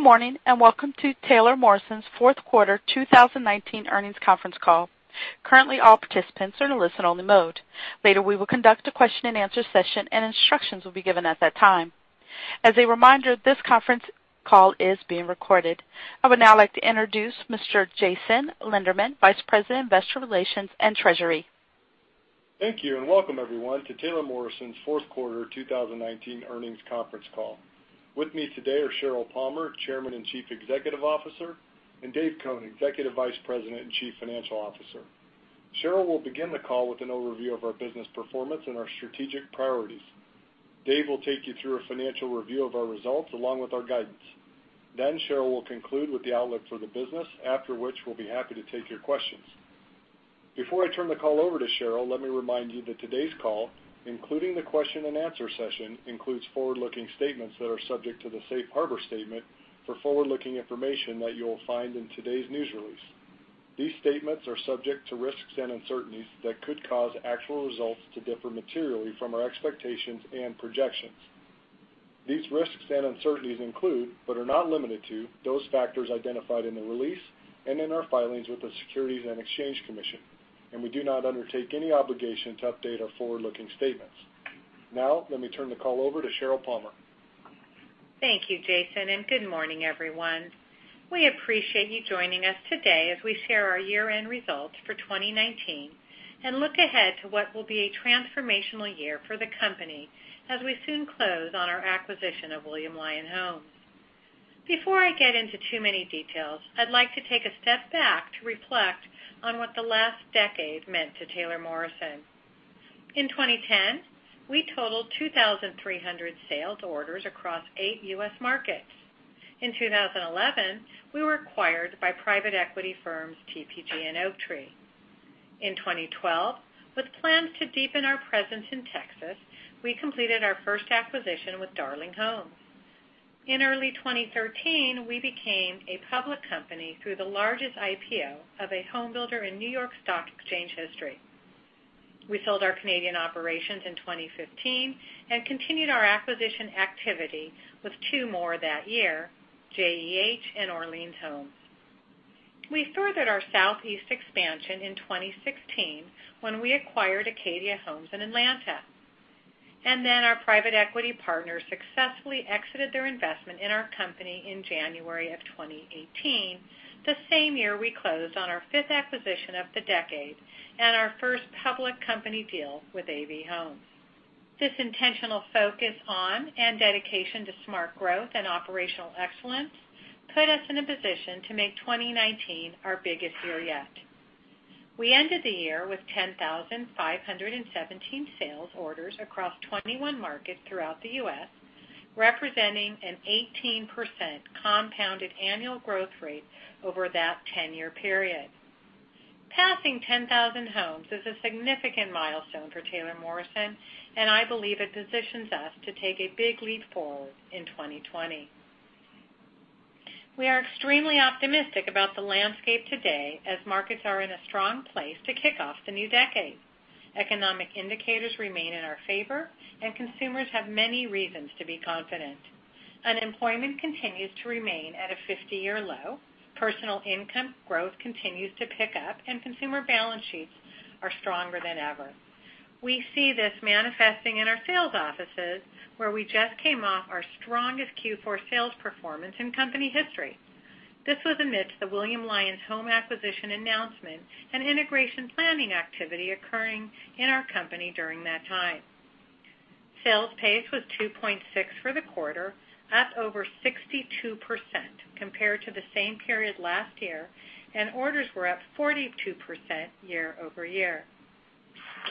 Good morning and welcome to Taylor Morrison's fourth quarter 2019 earnings conference call. Currently, all participants are in a listen-only mode. Later, we will conduct a question-and-answer session, and instructions will be given at that time. As a reminder, this conference call is being recorded. I would now like to introduce Mr. Jason Lenderman, Vice President, Investor Relations and Treasury. Thank you and welcome, everyone, to Taylor Morrison's fourth quarter 2019 earnings conference call. With me today are Sheryl Palmer, Chairman and Chief Executive Officer, and Dave Cone, Executive Vice President and Chief Financial Officer. Sheryl will begin the call with an overview of our business performance and our strategic priorities. Dave will take you through a financial review of our results along with our guidance. Then, Sheryl will conclude with the outlook for the business, after which we'll be happy to take your questions. Before I turn the call over to Sheryl, let me remind you that today's call, including the question-and-answer session, includes forward-looking statements that are subject to the Safe Harbor Statement for forward-looking information that you will find in today's news release. These statements are subject to risks and uncertainties that could cause actual results to differ materially from our expectations and projections. These risks and uncertainties include, but are not limited to, those factors identified in the release and in our filings with the Securities and Exchange Commission, and we do not undertake any obligation to update our forward-looking statements. Now, let me turn the call over to Sheryl Palmer. Thank you, Jason, and good morning, everyone. We appreciate you joining us today as we share our year-end results for 2019 and look ahead to what will be a transformational year for the company as we soon close on our acquisition of William Lyon Homes. Before I get into too many details, I'd like to take a step back to reflect on what the last decade meant to Taylor Morrison. In 2010, we totaled 2,300 sales orders across eight U.S. markets. In 2011, we were acquired by private equity firms TPG and Oaktree. In 2012, with plans to deepen our presence in Texas, we completed our first acquisition with Darling Homes. In early 2013, we became a public company through the largest IPO of a homebuilder in New York Stock Exchange history. We sold our Canadian operations in 2015 and continued our acquisition activity with two more that year, JEH and Orleans Homes. We furthered our southeast expansion in 2016 when we acquired Acadia Homes in Atlanta, and then our private equity partners successfully exited their investment in our company in January of 2018, the same year we closed on our fifth acquisition of the decade and our first public company deal with AV Homes. This intentional focus on and dedication to smart growth and operational excellence put us in a position to make 2019 our biggest year yet. We ended the year with 10,517 sales orders across 21 markets throughout the U.S., representing an 18% compounded annual growth rate over that 10-year period. Passing 10,000 homes is a significant milestone for Taylor Morrison, and I believe it positions us to take a big leap forward in 2020. We are extremely optimistic about the landscape today as markets are in a strong place to kick off the new decade. Economic indicators remain in our favor, and consumers have many reasons to be confident. Unemployment continues to remain at a 50-year low, personal income growth continues to pick up, and consumer balance sheets are stronger than ever. We see this manifesting in our sales offices, where we just came off our strongest Q4 sales performance in company history. This was amidst the William Lyon Homes acquisition announcement and integration planning activity occurring in our company during that time. Sales pace was 2.6 for the quarter, up over 62% compared to the same period last year, and orders were up 42% year over year.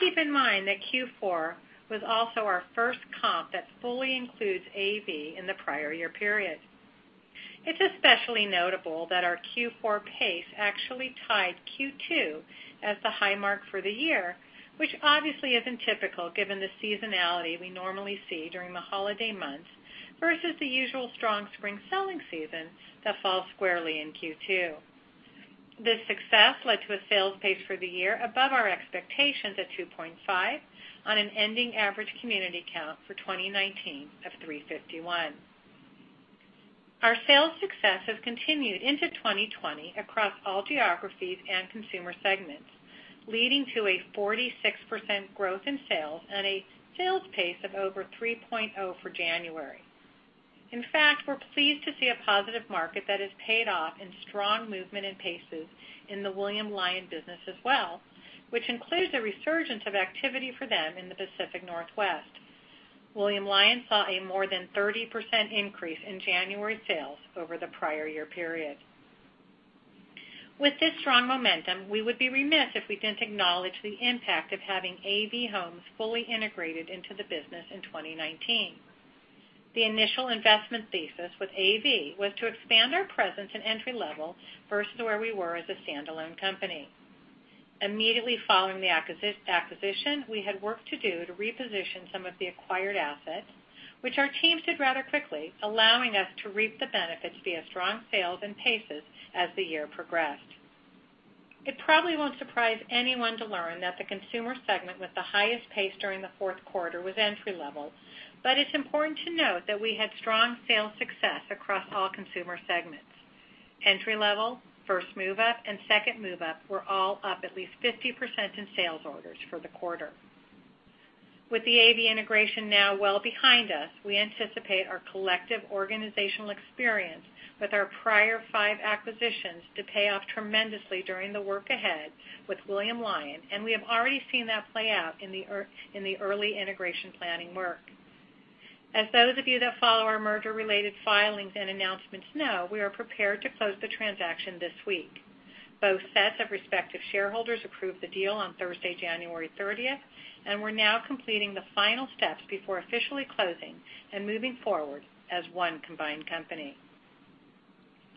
Keep in mind that Q4 was also our first comp that fully includes AV in the prior year period. It's especially notable that our Q4 pace actually tied Q2 as the high mark for the year, which obviously isn't typical given the seasonality we normally see during the holiday months versus the usual strong spring selling season that falls squarely in Q2. This success led to a sales pace for the year above our expectations at 2.5 on an ending average community count for 2019 of 351. Our sales success has continued into 2020 across all geographies and consumer segments, leading to a 46% growth in sales and a sales pace of over 3.0 for January. In fact, we're pleased to see a positive market that has paid off in strong movement and paces in the William Lyon business as well, which includes a resurgence of activity for them in the Pacific Northwest. William Lyon saw a more than 30% increase in January sales over the prior year period. With this strong momentum, we would be remiss if we didn't acknowledge the impact of having AV Homes fully integrated into the business in 2019. The initial investment thesis with AV was to expand our presence and entry-level versus where we were as a standalone company. Immediately following the acquisition, we had work to do to reposition some of the acquired assets, which our teams did rather quickly, allowing us to reap the benefits via strong sales pace as the year progressed. It probably won't surprise anyone to learn that the consumer segment with the highest pace during the fourth quarter was entry-level, but it's important to note that we had strong sales success across all consumer segments. Entry-level, first move-up, and second move-up were all up at least 50% in sales orders for the quarter. With the AV integration now well behind us, we anticipate our collective organizational experience with our prior five acquisitions to pay off tremendously during the work ahead with William Lyon, and we have already seen that play out in the early integration planning work. As those of you that follow our merger-related filings and announcements know, we are prepared to close the transaction this week. Both sets of respective shareholders approved the deal on Thursday, January 30th, and we're now completing the final steps before officially closing and moving forward as one combined company.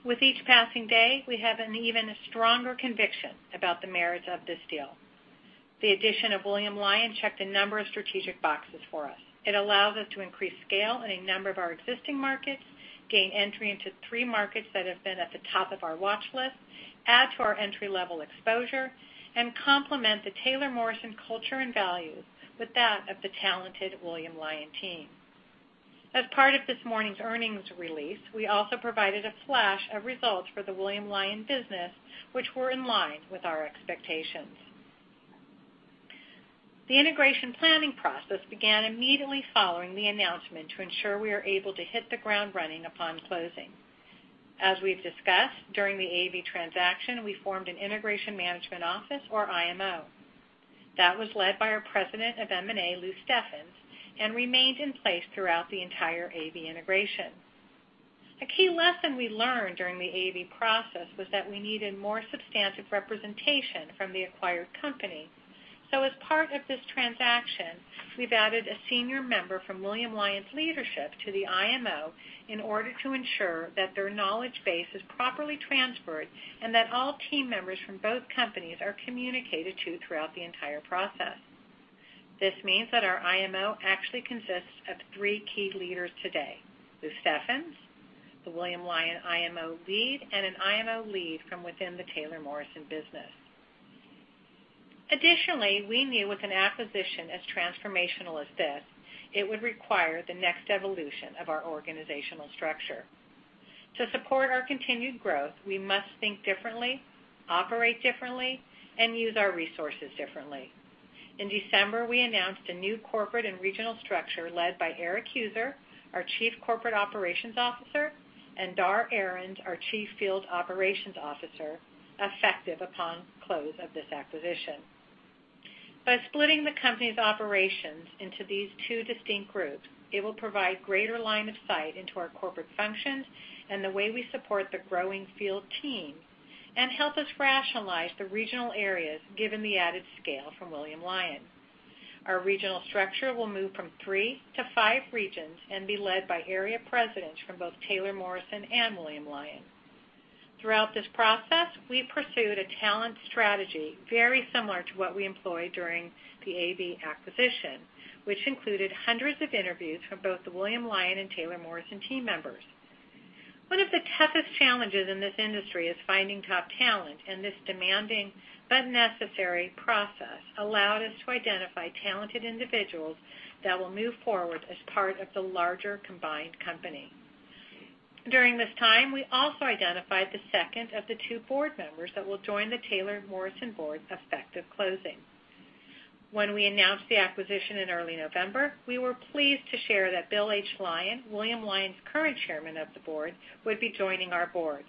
With each passing day, we have an even stronger conviction about the merits of this deal. The addition of William Lyon checked a number of strategic boxes for us. It allows us to increase scale in a number of our existing markets, gain entry into three markets that have been at the top of our watch list, add to our entry-level exposure, and complement the Taylor Morrison culture and values with that of the talented William Lyon team. As part of this morning's earnings release, we also provided a flash of results for the William Lyon business, which were in line with our expectations. The integration planning process began immediately following the announcement to ensure we are able to hit the ground running upon closing. As we've discussed, during the AV transaction, we formed an integration management office, or IMO. That was led by our President of M&A, Lou Steffens, and remained in place throughout the entire AV integration. A key lesson we learned during the AV process was that we needed more substantive representation from the acquired company, so as part of this transaction, we've added a senior member from William Lyon leadership to the IMO in order to ensure that their knowledge base is properly transferred and that all team members from both companies are communicated to throughout the entire process. This means that our IMO actually consists of three key leaders today: Lou Steffens, the William Lyon IMO lead, and an IMO lead from within the Taylor Morrison business. Additionally, we knew with an acquisition as transformational as this, it would require the next evolution of our organizational structure. To support our continued growth, we must think differently, operate differently, and use our resources differently. In December, we announced a new corporate and regional structure led by Erik Heuser, our Chief Corporate Operations Officer, and Dar Ahrens, our Chief Field Operations Officer, effective upon close of this acquisition. By splitting the company's operations into these two distinct groups, it will provide greater line of sight into our corporate functions and the way we support the growing field team and help us rationalize the regional areas given the added scale from William Lyon. Our regional structure will move from three to five regions and be led by area presidents from both Taylor Morrison and William Lyon. Throughout this process, we pursued a talent strategy very similar to what we employed during the AV acquisition, which included hundreds of interviews from both the William Lyon and Taylor Morrison team members. One of the toughest challenges in this industry is finding top talent, and this demanding but necessary process allowed us to identify talented individuals that will move forward as part of the larger combined company. During this time, we also identified the second of the two board members that will join the Taylor Morrison board effective closing. When we announced the acquisition in early November, we were pleased to share that Bill H. Lyon, William Lyon's current Chairman of the Board, would be joining our board.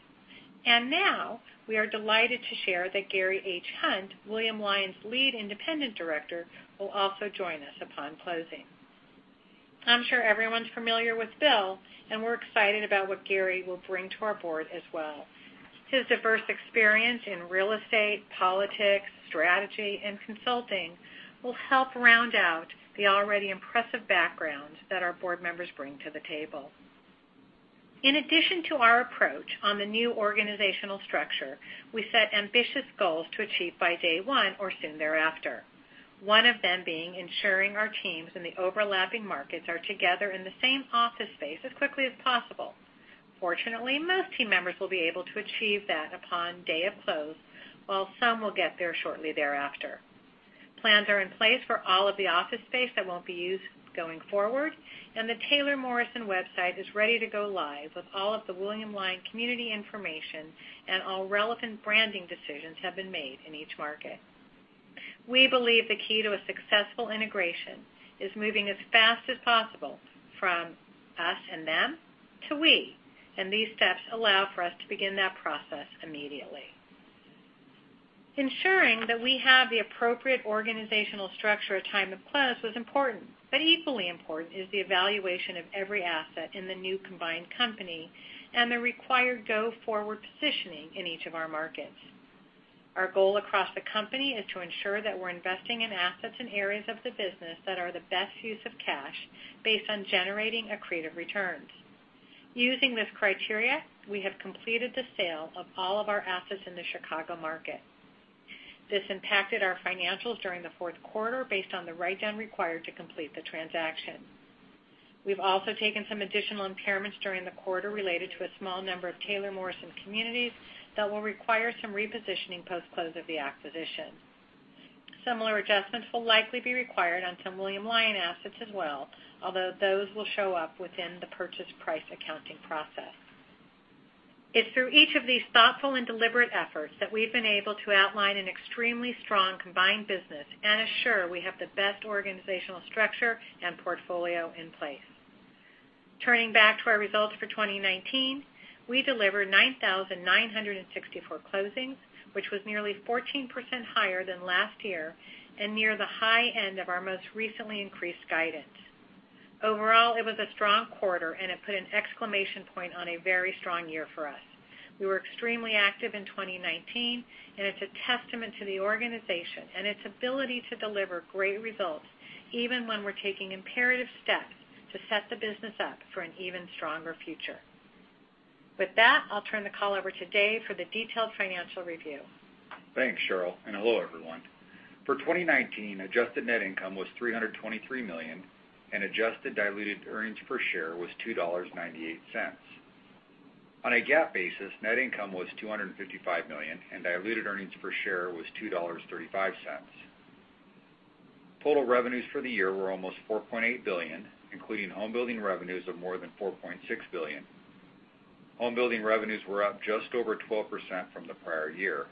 And now, we are delighted to share that Gary H. Hunt, William Lyon's Lead Independent Director, will also join us upon closing. I'm sure everyone's familiar with Bill, and we're excited about what Gary will bring to our board as well. His diverse experience in real estate, politics, strategy, and consulting will help round out the already impressive background that our board members bring to the table. In addition to our approach on the new organizational structure, we set ambitious goals to achieve by day one or soon thereafter, one of them being ensuring our teams in the overlapping markets are together in the same office space as quickly as possible. Fortunately, most team members will be able to achieve that upon day of close, while some will get there shortly thereafter. Plans are in place for all of the office space that won't be used going forward, and the Taylor Morrison website is ready to go live with all of the William Lyon community information and all relevant branding decisions have been made in each market. We believe the key to a successful integration is moving as fast as possible from us and them to we, and these steps allow for us to begin that process immediately. Ensuring that we have the appropriate organizational structure at time of close was important, but equally important is the evaluation of every asset in the new combined company and the required go-forward positioning in each of our markets. Our goal across the company is to ensure that we're investing in assets in areas of the business that are the best use of cash based on generating accretive returns. Using this criteria, we have completed the sale of all of our assets in the Chicago market. This impacted our financials during the fourth quarter based on the write-down required to complete the transaction. We've also taken some additional impairments during the quarter related to a small number of Taylor Morrison communities that will require some repositioning post-close of the acquisition. Similar adjustments will likely be required on some William Lyon assets as well, although those will show up within the purchase price accounting process. It's through each of these thoughtful and deliberate efforts that we've been able to outline an extremely strong combined business and assure we have the best organizational structure and portfolio in place. Turning back to our results for 2019, we delivered 9,964 closings, which was nearly 14% higher than last year and near the high end of our most recently increased guidance. Overall, it was a strong quarter, and it put an exclamation point on a very strong year for us. We were extremely active in 2019, and it's a testament to the organization and its ability to deliver great results even when we're taking imperative steps to set the business up for an even stronger future. With that, I'll turn the call over today for the detailed financial review. Thanks, Sheryl, and hello everyone. For 2019, adjusted net income was $323 million, and adjusted diluted earnings per share was $2.98. On a GAAP basis, net income was $255 million, and diluted earnings per share was $2.35. Total revenues for the year were almost $4.8 billion, including home building revenues of more than $4.6 billion. Home building revenues were up just over 12% from the prior year.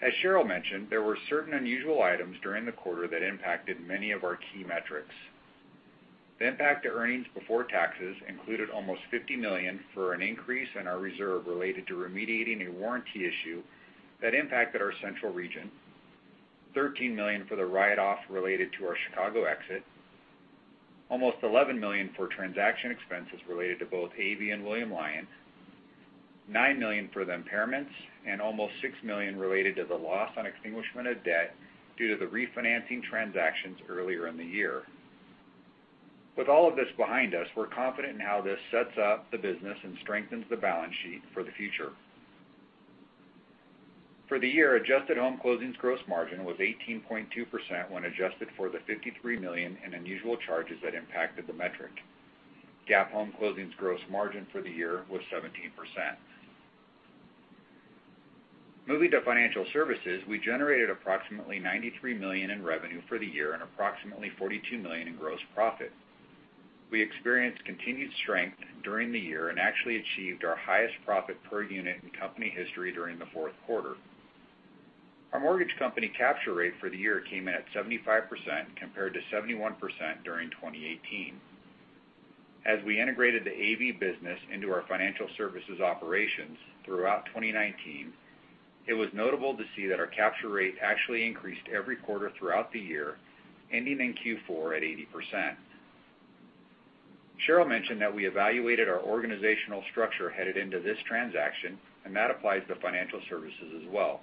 As Sheryl mentioned, there were certain unusual items during the quarter that impacted many of our key metrics. The impact to earnings before taxes included almost $50 million for an increase in our reserve related to remediating a warranty issue that impacted our central region, $13 million for the write-off related to our Chicago exit, almost $11 million for transaction expenses related to both AV and William Lyon, $9 million for the impairments, and almost $6 million related to the loss on extinguishment of debt due to the refinancing transactions earlier in the year. With all of this behind us, we're confident in how this sets up the business and strengthens the balance sheet for the future. For the year, adjusted home closings gross margin was 18.2% when adjusted for the $53 million in unusual charges that impacted the metric. GAAP home closings gross margin for the year was 17%. Moving to financial services, we generated approximately $93 million in revenue for the year and approximately $42 million in gross profit. We experienced continued strength during the year and actually achieved our highest profit per unit in company history during the fourth quarter. Our mortgage company capture rate for the year came in at 75% compared to 71% during 2018. As we integrated the AV business into our financial services operations throughout 2019, it was notable to see that our capture rate actually increased every quarter throughout the year, ending in Q4 at 80%. Sheryl mentioned that we evaluated our organizational structure headed into this transaction, and that applies to financial services as well.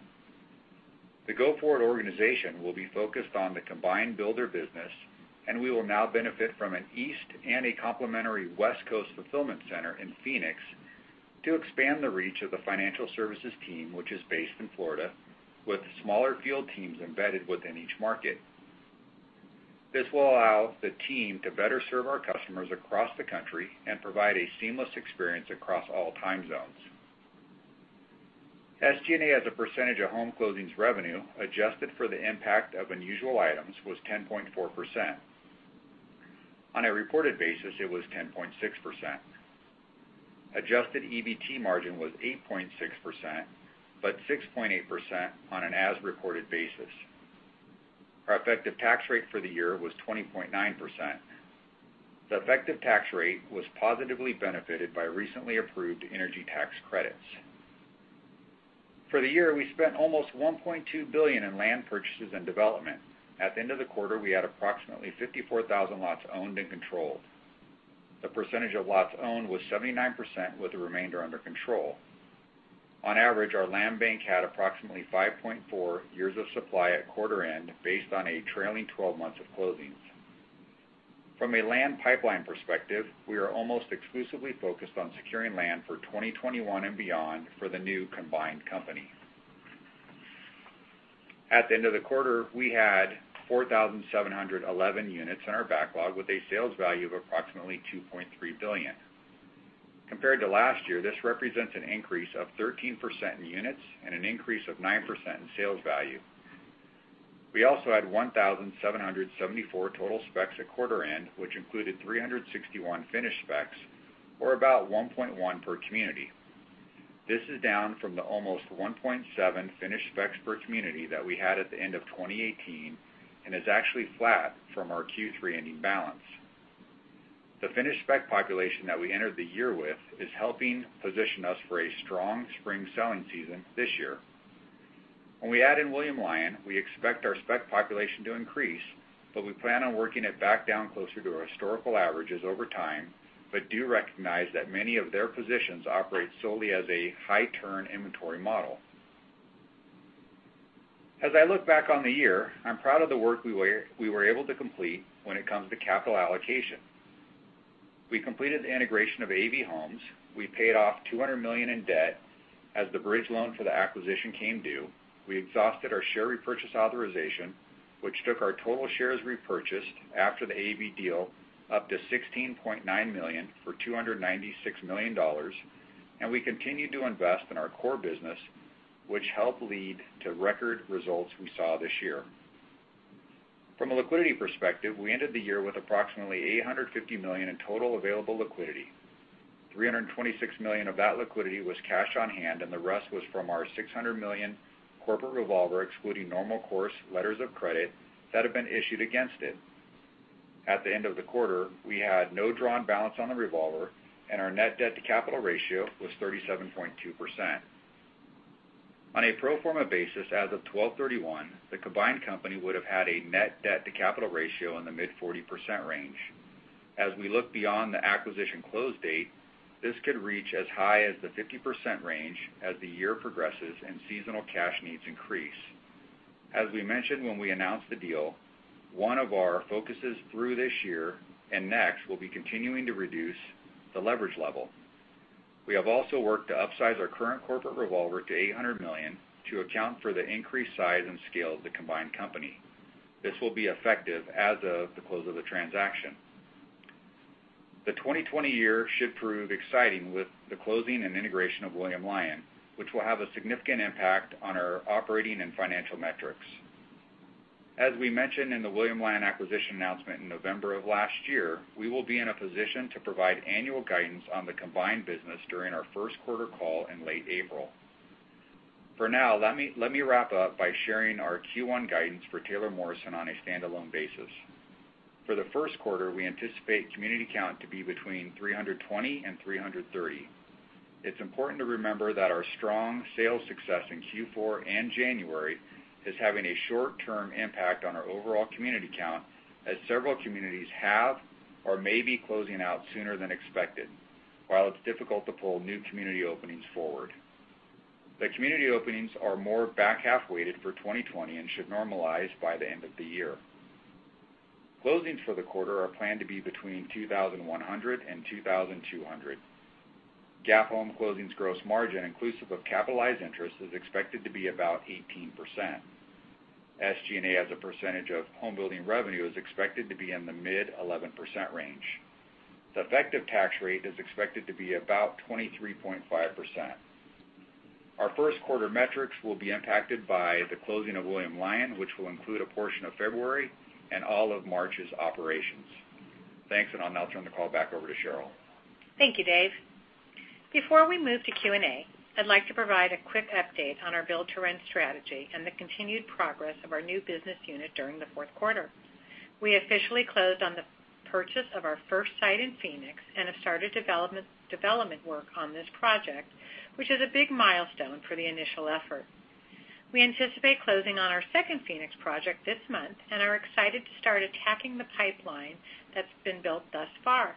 The go-forward organization will be focused on the combined builder business, and we will now benefit from an East Coast and a complementary West Coast fulfillment center in Phoenix to expand the reach of the financial services team, which is based in Florida, with smaller field teams embedded within each market. This will allow the team to better serve our customers across the country and provide a seamless experience across all time zones. SG&A as a percentage of home closings revenue adjusted for the impact of unusual items was 10.4%. On a reported basis, it was 10.6%. Adjusted EBT margin was 8.6%, but 6.8% on an as-reported basis. Our effective tax rate for the year was 20.9%. The effective tax rate was positively benefited by recently approved energy tax credits. For the year, we spent almost $1.2 billion in land purchases and development. At the end of the quarter, we had approximately 54,000 lots owned and controlled. The percentage of lots owned was 79%, with the remainder under control. On average, our land bank had approximately 5.4 years of supply at quarter end based on a trailing 12 months of closings. From a land pipeline perspective, we are almost exclusively focused on securing land for 2021 and beyond for the new combined company. At the end of the quarter, we had 4,711 units in our backlog with a sales value of approximately $2.3 billion. Compared to last year, this represents an increase of 13% in units and an increase of 9% in sales value. We also had 1,774 total specs at quarter end, which included 361 finished specs, or about 1.1 per community. This is down from the almost 1.7 finished specs per community that we had at the end of 2018 and is actually flat from our Q3 ending balance. The finished spec population that we entered the year with is helping position us for a strong spring selling season this year. When we add in William Lyon, we expect our spec population to increase, but we plan on working it back down closer to our historical averages over time, but do recognize that many of their positions operate solely as a high-turn inventory model. As I look back on the year, I'm proud of the work we were able to complete when it comes to capital allocation. We completed the integration of AV Homes. We paid off $200 million in debt as the bridge loan for the acquisition came due. We exhausted our share repurchase authorization, which took our total shares repurchased after the AV deal up to $16.9 million for $296 million, and we continued to invest in our core business, which helped lead to record results we saw this year. From a liquidity perspective, we ended the year with approximately $850 million in total available liquidity. $326 million of that liquidity was cash on hand, and the rest was from our $600 million corporate revolver, excluding normal course letters of credit that have been issued against it. At the end of the quarter, we had no drawn balance on the revolver, and our net debt to capital ratio was 37.2%. On a pro forma basis, as of 12/31, the combined company would have had a net debt to capital ratio in the mid-40% range. As we look beyond the acquisition close date, this could reach as high as the 50% range as the year progresses and seasonal cash needs increase. As we mentioned when we announced the deal, one of our focuses through this year and next will be continuing to reduce the leverage level. We have also worked to upsize our current corporate revolver to $800 million to account for the increased size and scale of the combined company. This will be effective as of the close of the transaction. The 2020 year should prove exciting with the closing and integration of William Lyon, which will have a significant impact on our operating and financial metrics. As we mentioned in the William Lyon acquisition announcement in November of last year, we will be in a position to provide annual guidance on the combined business during our first quarter call in late April. For now, let me wrap up by sharing our Q1 guidance for Taylor Morrison on a standalone basis. For the first quarter, we anticipate community count to be between 320 and 330. It's important to remember that our strong sales success in Q4 and January is having a short-term impact on our overall community count, as several communities have or may be closing out sooner than expected, while it's difficult to pull new community openings forward. The community openings are more back half-weighted for 2020 and should normalize by the end of the year. Closings for the quarter are planned to be between $2.1 billion and $2.2 billion. GAAP home closings gross margin, inclusive of capitalized interest, is expected to be about 18%. SG&A as a percentage of home building revenue that is expected to be in the mid-11% range. The effective tax rate is expected to be about 23.5%. Our first quarter metrics will be impacted by the closing of William Lyon, which will include a portion of February and all of March's operations. Thanks, and I'll now turn the call back over to Sheryl. Thank you, Dave. Before we move to Q&A, I'd like to provide a quick update on our build-to-rent strategy and the continued progress of our new business unit during the fourth quarter. We officially closed on the purchase of our first site in Phoenix and have started development work on this project, which is a big milestone for the initial effort. We anticipate closing on our second Phoenix project this month and are excited to start attacking the pipeline that's been built thus far.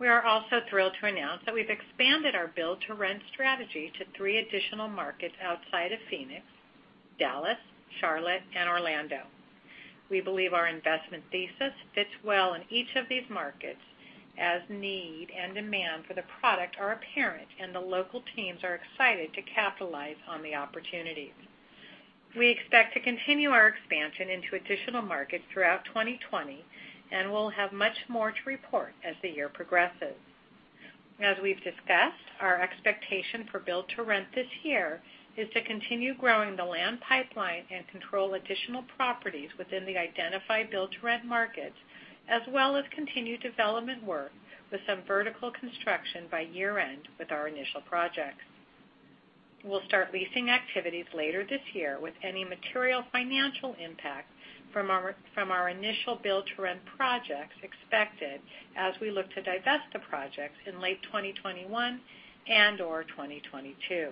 We are also thrilled to announce that we've expanded our build-to-rent strategy to three additional markets outside of Phoenix, Dallas, Charlotte, and Orlando. We believe our investment thesis fits well in each of these markets as need and demand for the product are apparent and the local teams are excited to capitalize on the opportunities. We expect to continue our expansion into additional markets throughout 2020 and will have much more to report as the year progresses. As we've discussed, our expectation for build-to-rent this year is to continue growing the land pipeline and control additional properties within the identified build-to-rent markets, as well as continue development work with some vertical construction by year-end with our initial projects. We'll start leasing activities later this year with any material financial impact from our initial build-to-rent projects expected as we look to divest the projects in late 2021 and/or 2022.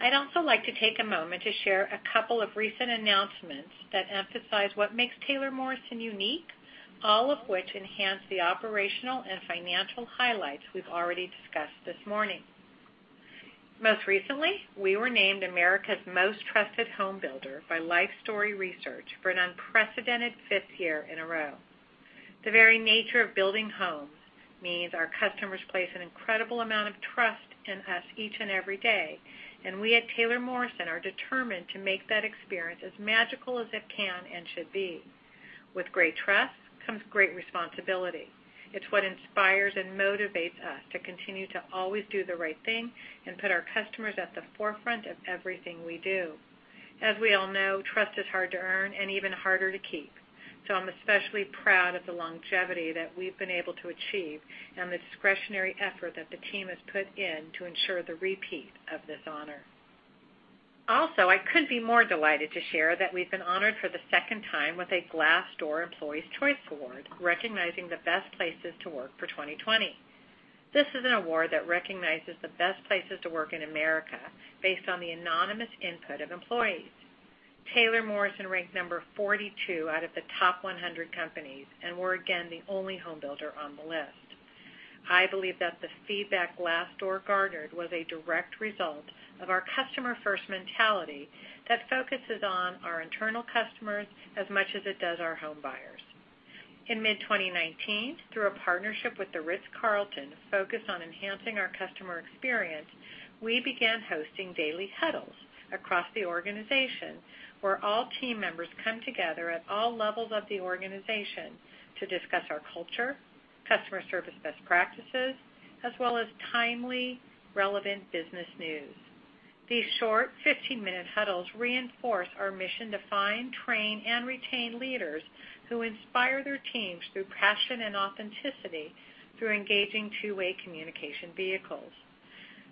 I'd also like to take a moment to share a couple of recent announcements that emphasize what makes Taylor Morrison unique, all of which enhance the operational and financial highlights we've already discussed this morning. Most recently, we were named America's Most Trusted Home Builder by Lifestory Research for an unprecedented fifth year in a row. The very nature of building homes means our customers place an incredible amount of trust in us each and every day, and we at Taylor Morrison are determined to make that experience as magical as it can and should be. With great trust comes great responsibility. It's what inspires and motivates us to continue to always do the right thing and put our customers at the forefront of everything we do. As we all know, trust is hard to earn and even harder to keep, so I'm especially proud of the longevity that we've been able to achieve and the discretionary effort that the team has put in to ensure the repeat of this honor. Also, I couldn't be more delighted to share that we've been honored for the second time with a Glassdoor Employees' Choice Award recognizing the best places to work for 2020. This is an award that recognizes the best places to work in America based on the anonymous input of employees. Taylor Morrison ranked number 42 out of the top 100 companies and were again the only home builder on the list. I believe that the feedback Glassdoor garnered was a direct result of our customer-first mentality that focuses on our internal customers as much as it does our home buyers. In mid-2019, through a partnership with The Ritz-Carlton focused on enhancing our customer experience, we began hosting daily huddles across the organization where all team members come together at all levels of the organization to discuss our culture, customer service best practices, as well as timely, relevant business news. These short 15-minute huddles reinforce our mission to find, train, and retain leaders who inspire their teams through passion and authenticity through engaging two-way communication vehicles.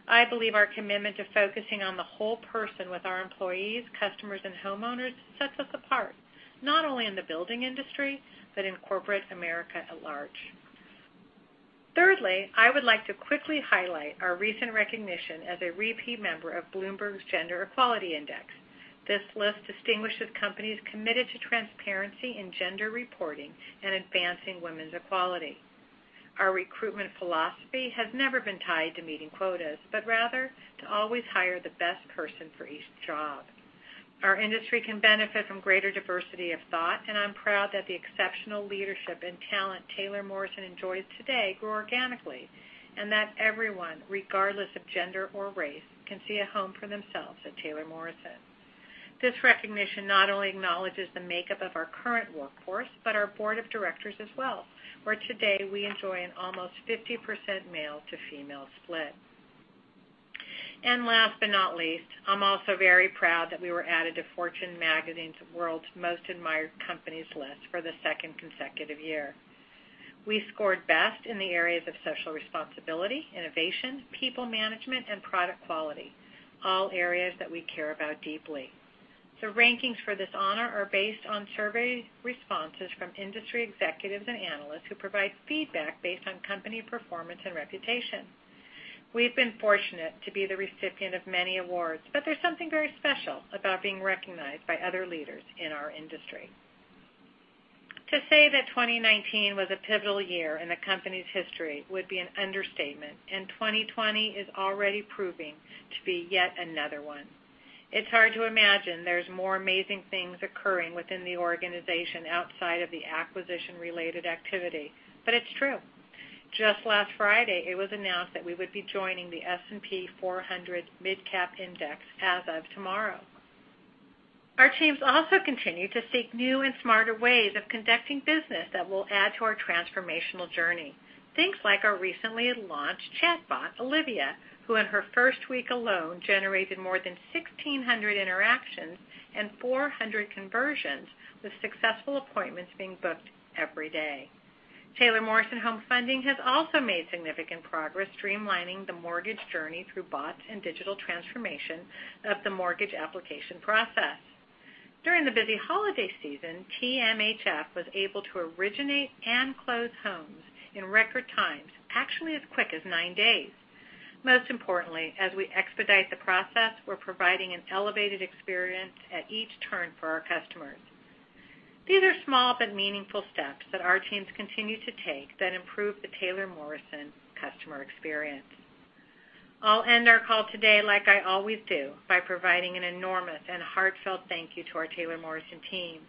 I believe our commitment to focusing on the whole person with our employees, customers, and homeowners sets us apart, not only in the building industry but in corporate America at large. Thirdly, I would like to quickly highlight our recent recognition as a repeat member of Bloomberg's Gender Equality Index. This list distinguishes companies committed to transparency in gender reporting and advancing women's equality. Our recruitment philosophy has never been tied to meeting quotas, but rather to always hire the best person for each job. Our industry can benefit from greater diversity of thought, and I'm proud that the exceptional leadership and talent Taylor Morrison enjoys today grow organically and that everyone, regardless of gender or race, can see a home for themselves at Taylor Morrison. This recognition not only acknowledges the makeup of our current workforce but our board of directors as well, where today we enjoy an almost 50% male-to-female split. And last but not least, I'm also very proud that we were added to Fortune Magazine's World's Most Admired Companies list for the second consecutive year. We scored best in the areas of social responsibility, innovation, people management, and product quality, all areas that we care about deeply. The rankings for this honor are based on survey responses from industry executives and analysts who provide feedback based on company performance and reputation. We've been fortunate to be the recipient of many awards, but there's something very special about being recognized by other leaders in our industry. To say that 2019 was a pivotal year in the company's history would be an understatement, and 2020 is already proving to be yet another one. It's hard to imagine there's more amazing things occurring within the organization outside of the acquisition-related activity, but it's true. Just last Friday, it was announced that we would be joining the S&P 400 MidCap Index as of tomorrow. Our teams also continue to seek new and smarter ways of conducting business that will add to our transformational journey, things like our recently launched chatbot, Olivia, who in her first week alone generated more than 1,600 interactions and 400 conversions, with successful appointments being booked every day. Taylor Morrison Home Funding has also made significant progress streamlining the mortgage journey through bots and digital transformation of the mortgage application process. During the busy holiday season, TMHF was able to originate and close homes in record times, actually as quick as nine days. Most importantly, as we expedite the process, we're providing an elevated experience at each turn for our customers. These are small but meaningful steps that our teams continue to take that improve the Taylor Morrison customer experience. I'll end our call today, like I always do, by providing an enormous and heartfelt thank you to our Taylor Morrison team.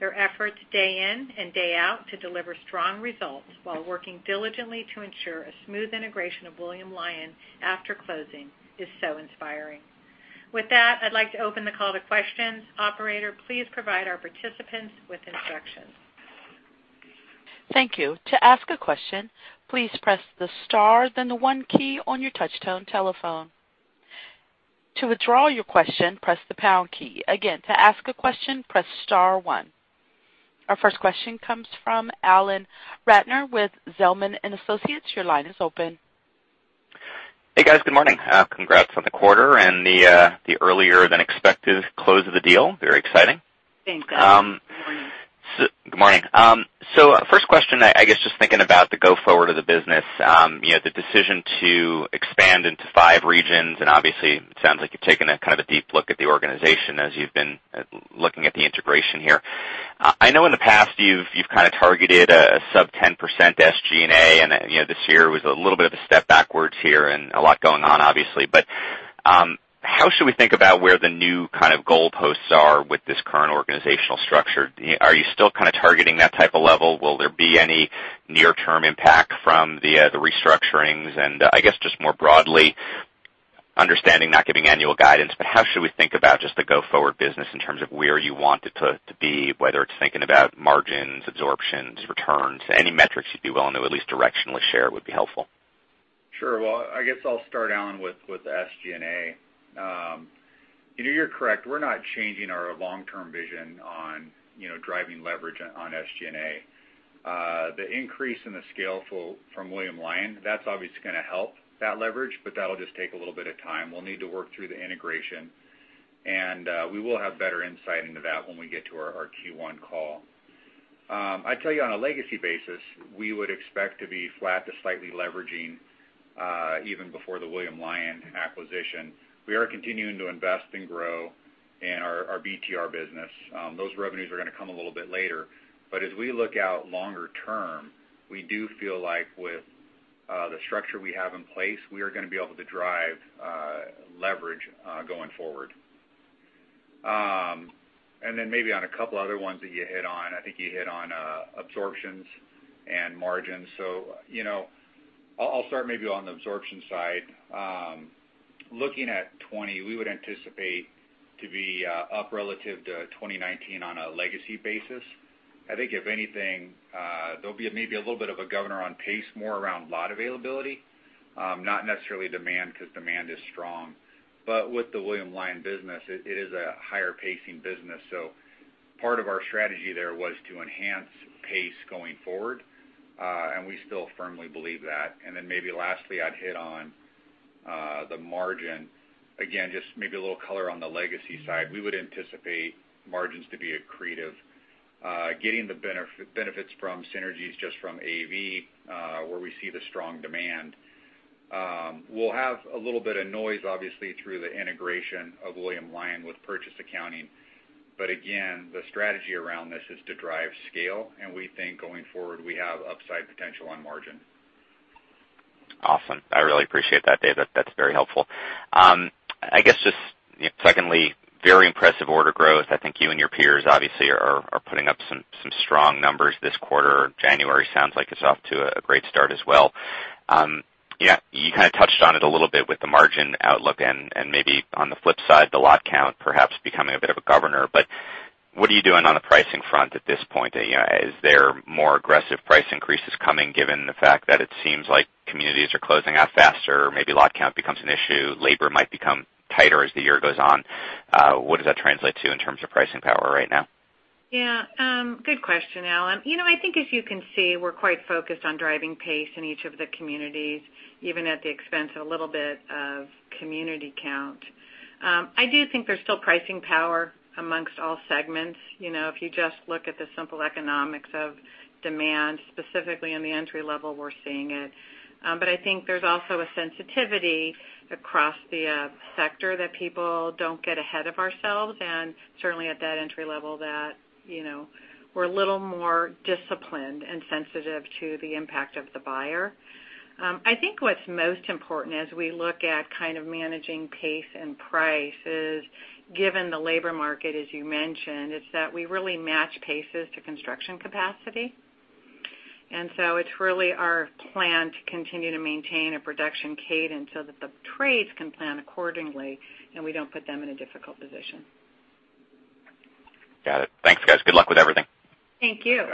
Their efforts day in and day out to deliver strong results while working diligently to ensure a smooth integration of William Lyon after closing is so inspiring. With that, I'd like to open the call to questions. Operator, please provide our participants with instructions. Thank you. To ask a question, please press the star, then the one key on your touch-tone telephone. To withdraw your question, press the pound key. Again, to ask a question, press star one. Our first question comes from Alan Ratner with Zelman & Associates. Your line is open. Hey, guys. Good morning. Congrats on the quarter and the earlier-than-expected close of the deal. Very exciting. Thanks, guys. Good morning. Good morning. First question, I guess just thinking about the go-forward of the business, the decision to expand into five regions, and obviously, it sounds like you've taken kind of a deep look at the organization as you've been looking at the integration here. I know in the past you've kind of targeted a sub-10% SG&A, and this year was a little bit of a step backwards here and a lot going on, obviously. But how should we think about where the new kind of goalposts are with this current organizational structure? Are you still kind of targeting that type of level? Will there be any near-term impact from the restructurings? And I guess just more broadly, understanding not giving annual guidance, but how should we think about just the go-forward business in terms of where you want it to be, whether it's thinking about margins, absorptions, returns? Any metrics you'd be willing to at least directionally share would be helpful. Sure. I guess I'll start, Alan, with the SG&A. You're correct. We're not changing our long-term vision on driving leverage on SG&A. The increase in the scale from William Lyon, that's obviously going to help that leverage, but that'll just take a little bit of time. We'll need to work through the integration, and we will have better insight into that when we get to our Q1 call. I'd tell you on a legacy basis, we would expect to be flat to slightly leveraging even before the William Lyon acquisition. We are continuing to invest and grow in our BTR business. Those revenues are going to come a little bit later, but as we look out longer term, we do feel like with the structure we have in place, we are going to be able to drive leverage going forward. And then maybe on a couple other ones that you hit on, I think you hit on absorptions and margins. So I'll start maybe on the absorption side. Looking at 2020, we would anticipate to be up relative to 2019 on a legacy basis. I think if anything, there'll be maybe a little bit of a governor on pace more around lot availability, not necessarily demand because demand is strong. But with the William Lyon business, it is a higher-pacing business, so part of our strategy there was to enhance pace going forward, and we still firmly believe that. And then maybe lastly, I'd hit on the margin. Again, just maybe a little color on the legacy side. We would anticipate margins to be accretive, getting the benefits from synergies just from AV where we see the strong demand. We'll have a little bit of noise, obviously, through the integration of William Lyon with purchase accounting, but again, the strategy around this is to drive scale, and we think going forward we have upside potential on margin. Awesome. I really appreciate that, David. That's very helpful. I guess just secondly, very impressive order growth. I think you and your peers obviously are putting up some strong numbers this quarter. January sounds like it's off to a great start as well. You kind of touched on it a little bit with the margin outlook and maybe on the flip side, the lot count perhaps becoming a bit of a governor, but what are you doing on the pricing front at this point? Is there more aggressive price increases coming given the fact that it seems like communities are closing out faster? Maybe lot count becomes an issue. Labor might become tighter as the year goes on. What does that translate to in terms of pricing power right now? Yeah. Good question, Alan. I think as you can see, we're quite focused on driving pace in each of the communities, even at the expense of a little bit of community count. I do think there's still pricing power amongst all segments. If you just look at the simple economics of demand, specifically on the entry level, we're seeing it. But I think there's also a sensitivity across the sector that people don't get ahead of ourselves, and certainly at that entry-level, that we're a little more disciplined and sensitive to the impact of the buyer. I think what's most important as we look at kind of managing pace and price, given the labor market, as you mentioned, is that we really match paces to construction capacity. And so it's really our plan to continue to maintain a production cadence so that the trades can plan accordingly and we don't put them in a difficult position. Got it. Thanks, guys. Good luck with everything. Thank you.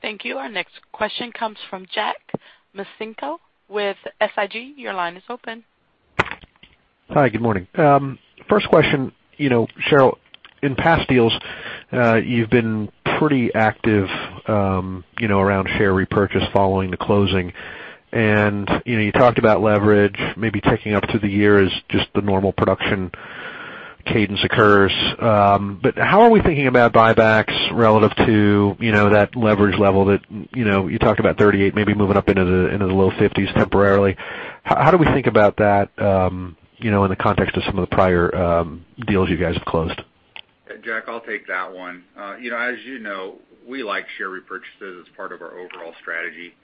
Thank you. Our next question comes from Jack Micenko with SIG. Your line is open. Hi. Good morning. First question, Sheryl, in past deals, you've been pretty active around share repurchase following the closing, and you talked about leverage, maybe taking up through the year as just the normal production cadence occurs. But how are we thinking about buybacks relative to that leverage level that you talked about, 38, maybe moving up into the low 50s temporarily? How do we think about that in the context of some of the prior deals you guys have closed? Jack, I'll take that one. As you know, we like share repurchases as part of our overall strategy.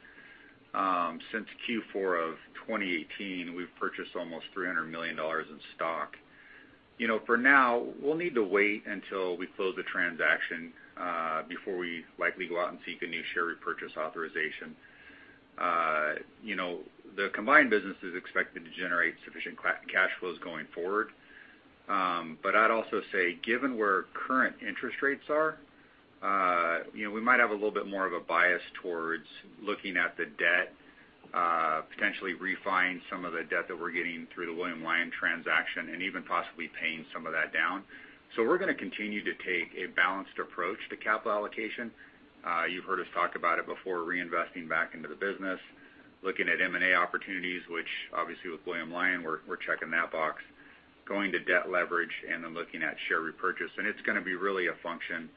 Since Q4 of 2018, we've purchased almost $300 million in stock. For now, we'll need to wait until we close the transaction before we likely go out and seek a new share repurchase authorization. The combined business is expected to generate sufficient cash flows going forward, but I'd also say, given where current interest rates are, we might have a little bit more of a bias towards looking at the debt, potentially refining some of the debt that we're getting through the William Lyon transaction, and even possibly paying some of that down. So we're going to continue to take a balanced approach to capital allocation. You've heard us talk about it before, reinvesting back into the business, looking at M&A opportunities, which obviously with William Lyon, we're checking that box, going to debt leverage, and then looking at share repurchase. And it's going to be really a function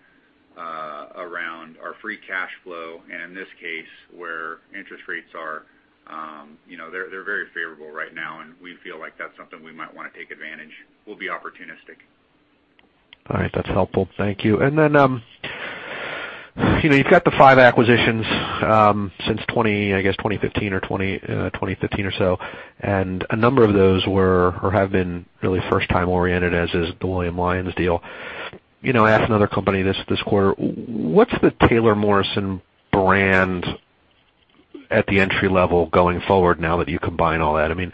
around our free cash flow, and in this case, where interest rates are very favorable right now, and we feel like that's something we might want to take advantage. We'll be opportunistic. All right. That's helpful. Thank you. And then you've got the five acquisitions since, I guess, 2015 or so, and a number of those were or have been really first-time oriented, as is the William Lyon deal. I asked another company this quarter, what's the Taylor Morrison brand at the entry-level going forward now that you combine all that? I mean,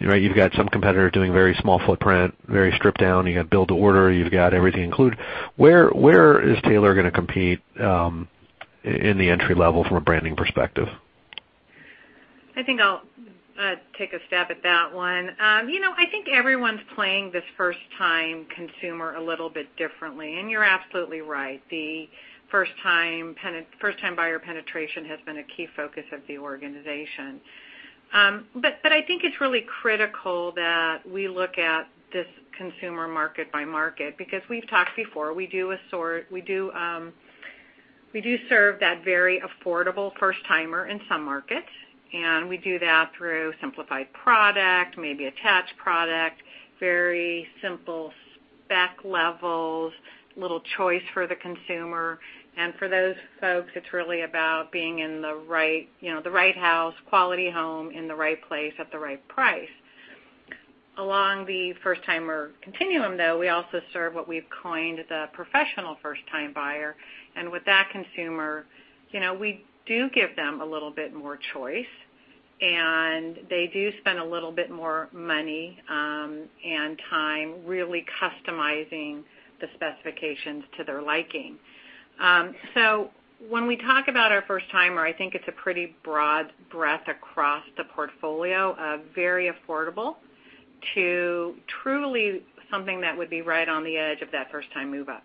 you've got some competitors doing very small footprint, very stripped down. You've got build-to-order. You've got everything included. Where is Taylor going to compete in the entry-level from a branding perspective? I think I'll take a stab at that one. I think everyone's playing this first-time consumer a little bit differently, and you're absolutely right. The first-time buyer penetration has been a key focus of the organization. But I think it's really critical that we look at this consumer market by market because we've talked before. We do serve that very affordable first-timer in some markets, and we do that through simplified product, maybe attached product, very simple spec levels, little choice for the consumer, and for those folks, it's really about being in the right house, quality home, in the right place at the right price. Along the first-timer continuum, though, we also serve what we've coined the professional first-time buyer, and with that consumer, we do give them a little bit more choice, and they do spend a little bit more money and time really customizing the specifications to their liking, so when we talk about our first-timer, I think it's a pretty broad breadth across the portfolio of very affordable to truly something that would be right on the edge of that first-time move-up.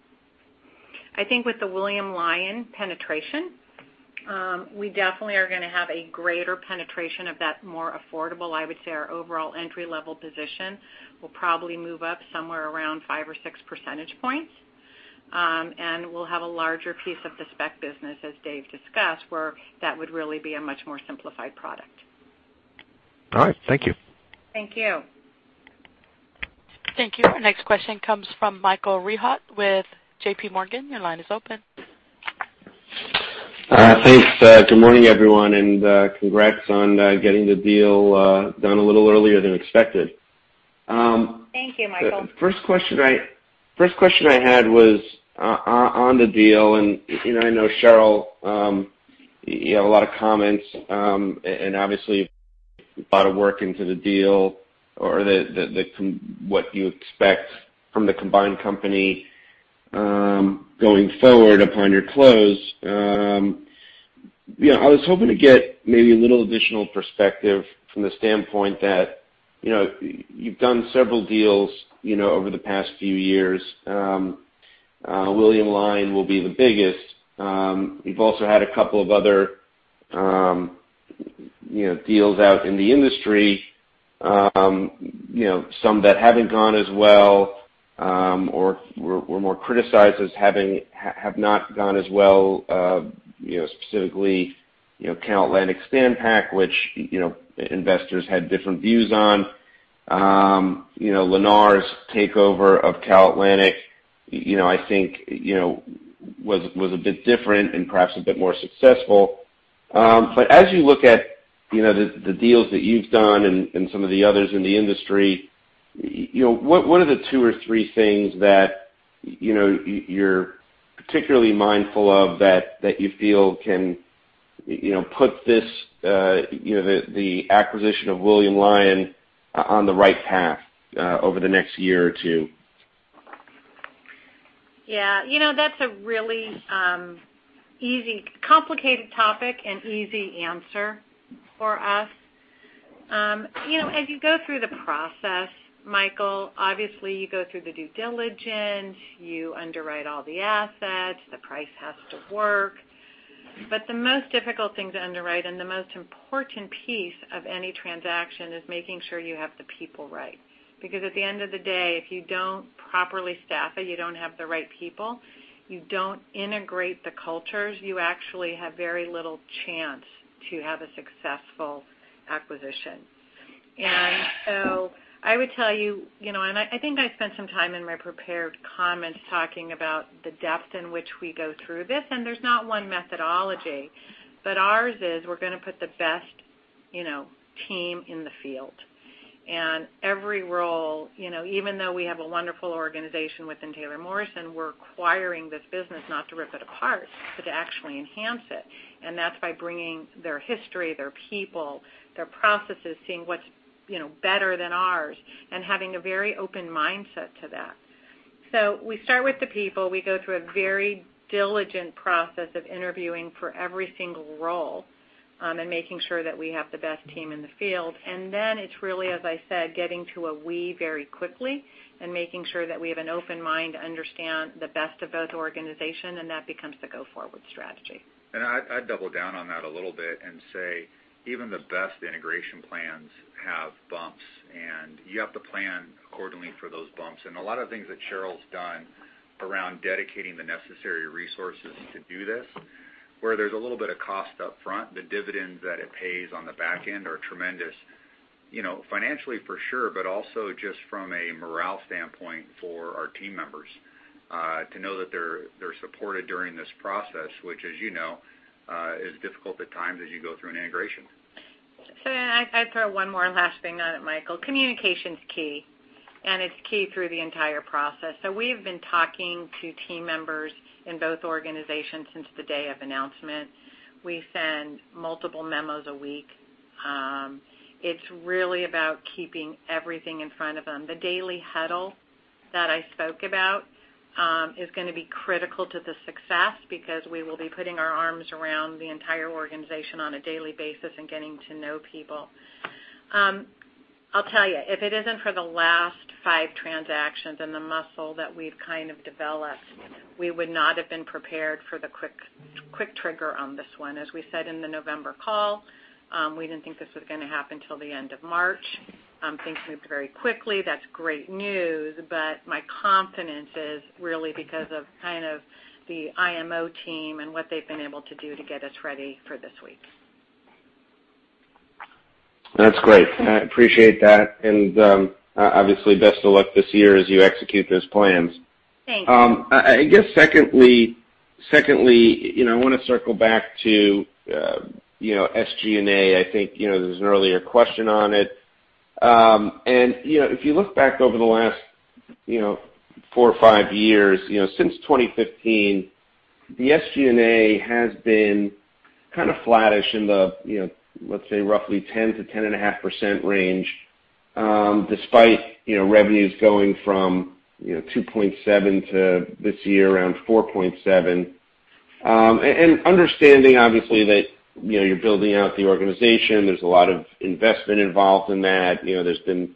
I think with the William Lyon penetration, we definitely are going to have a greater penetration of that more affordable. I would say our overall entry-level position will probably move up somewhere around five or six percentage points, and we'll have a larger piece of the spec business, as Dave discussed, where that would really be a much more simplified product. All right. Thank you. Thank you. Thank you. Our next question comes from Michael Rehaut with J.P. Morgan. Your line is open. Thanks. Good morning, everyone, and congrats on getting the deal done a little earlier than expected. Thank you, Michael. The first question I had was on the deal, and I know, Sheryl, you have a lot of comments and obviously a lot of work into the deal or what you expect from the combined company going forward upon your close. I was hoping to get maybe a little additional perspective from the standpoint that you've done several deals over the past few years. William Lyon will be the biggest. You've also had a couple of other deals out in the industry, some that haven't gone as well or were more criticized as having not gone as well, specifically CalAtlantic Standard Pacific, which investors had different views on. Lennar's takeover of CalAtlantic, I think, was a bit different and perhaps a bit more successful. But as you look at the deals that you've done and some of the others in the industry, what are the two or three things that you're particularly mindful of that you feel can put the acquisition of William Lyon on the right path over the next year or two? Yeah. That's a really easy, complicated topic and easy answer for us. As you go through the process, Michael, obviously you go through the due diligence. You underwrite all the assets. The price has to work. But the most difficult thing to underwrite and the most important piece of any transaction is making sure you have the people right. Because at the end of the day, if you don't properly staff it, you don't have the right people, you don't integrate the cultures, you actually have very little chance to have a successful acquisition. And so I would tell you, and I think I spent some time in my prepared comments talking about the depth in which we go through this, and there's not one methodology, but ours is we're going to put the best team in the field. And every role, even though we have a wonderful organization within Taylor Morrison, we're acquiring this business not to rip it apart, but to actually enhance it. And that's by bringing their history, their people, their processes, seeing what's better than ours, and having a very open mindset to that. So we start with the people. We go through a very diligent process of interviewing for every single role and making sure that we have the best team in the field. And then it's really, as I said, getting to a we very quickly and making sure that we have an open mind to understand the best of both organizations, and that becomes the go-forward strategy. And I'd double down on that a little bit and say even the best integration plans have bumps, and you have to plan accordingly for those bumps. And a lot of things that Sheryl's done around dedicating the necessary resources to do this, where there's a little bit of cost upfront, the dividends that it pays on the back end are tremendous financially for sure, but also just from a morale standpoint for our team members to know that they're supported during this process, which, as you know, is difficult at times as you go through an integration. So I'd throw one more last thing on it, Michael. Communication's key, and it's key through the entire process. So we have been talking to team members in both organizations since the day of announcement. We send multiple memos a week. It's really about keeping everything in front of them. The daily huddle that I spoke about is going to be critical to the success because we will be putting our arms around the entire organization on a daily basis and getting to know people. I'll tell you, if it isn't for the last five transactions and the muscle that we've kind of developed, we would not have been prepared for the quick trigger on this one. As we said in the November call, we didn't think this was going to happen until the end of March. Things moved very quickly. That's great news, but my confidence is really because of kind of the IMO team and what they've been able to do to get us ready for this week. That's great. I appreciate that. And obviously, best of luck this yearas you execute those plans. Thanks. I guess secondly, I want to circle back to SG&A. I think there's an earlier question on it. If you look back over the last four or five years, since 2015, the SG&A has been kind of flattish in the, let's say, roughly 10%-10.5% range, despite revenues going from 2.7 to this year around 4.7. Understanding, obviously, that you're building out the organization. There's a lot of investment involved in that. There's been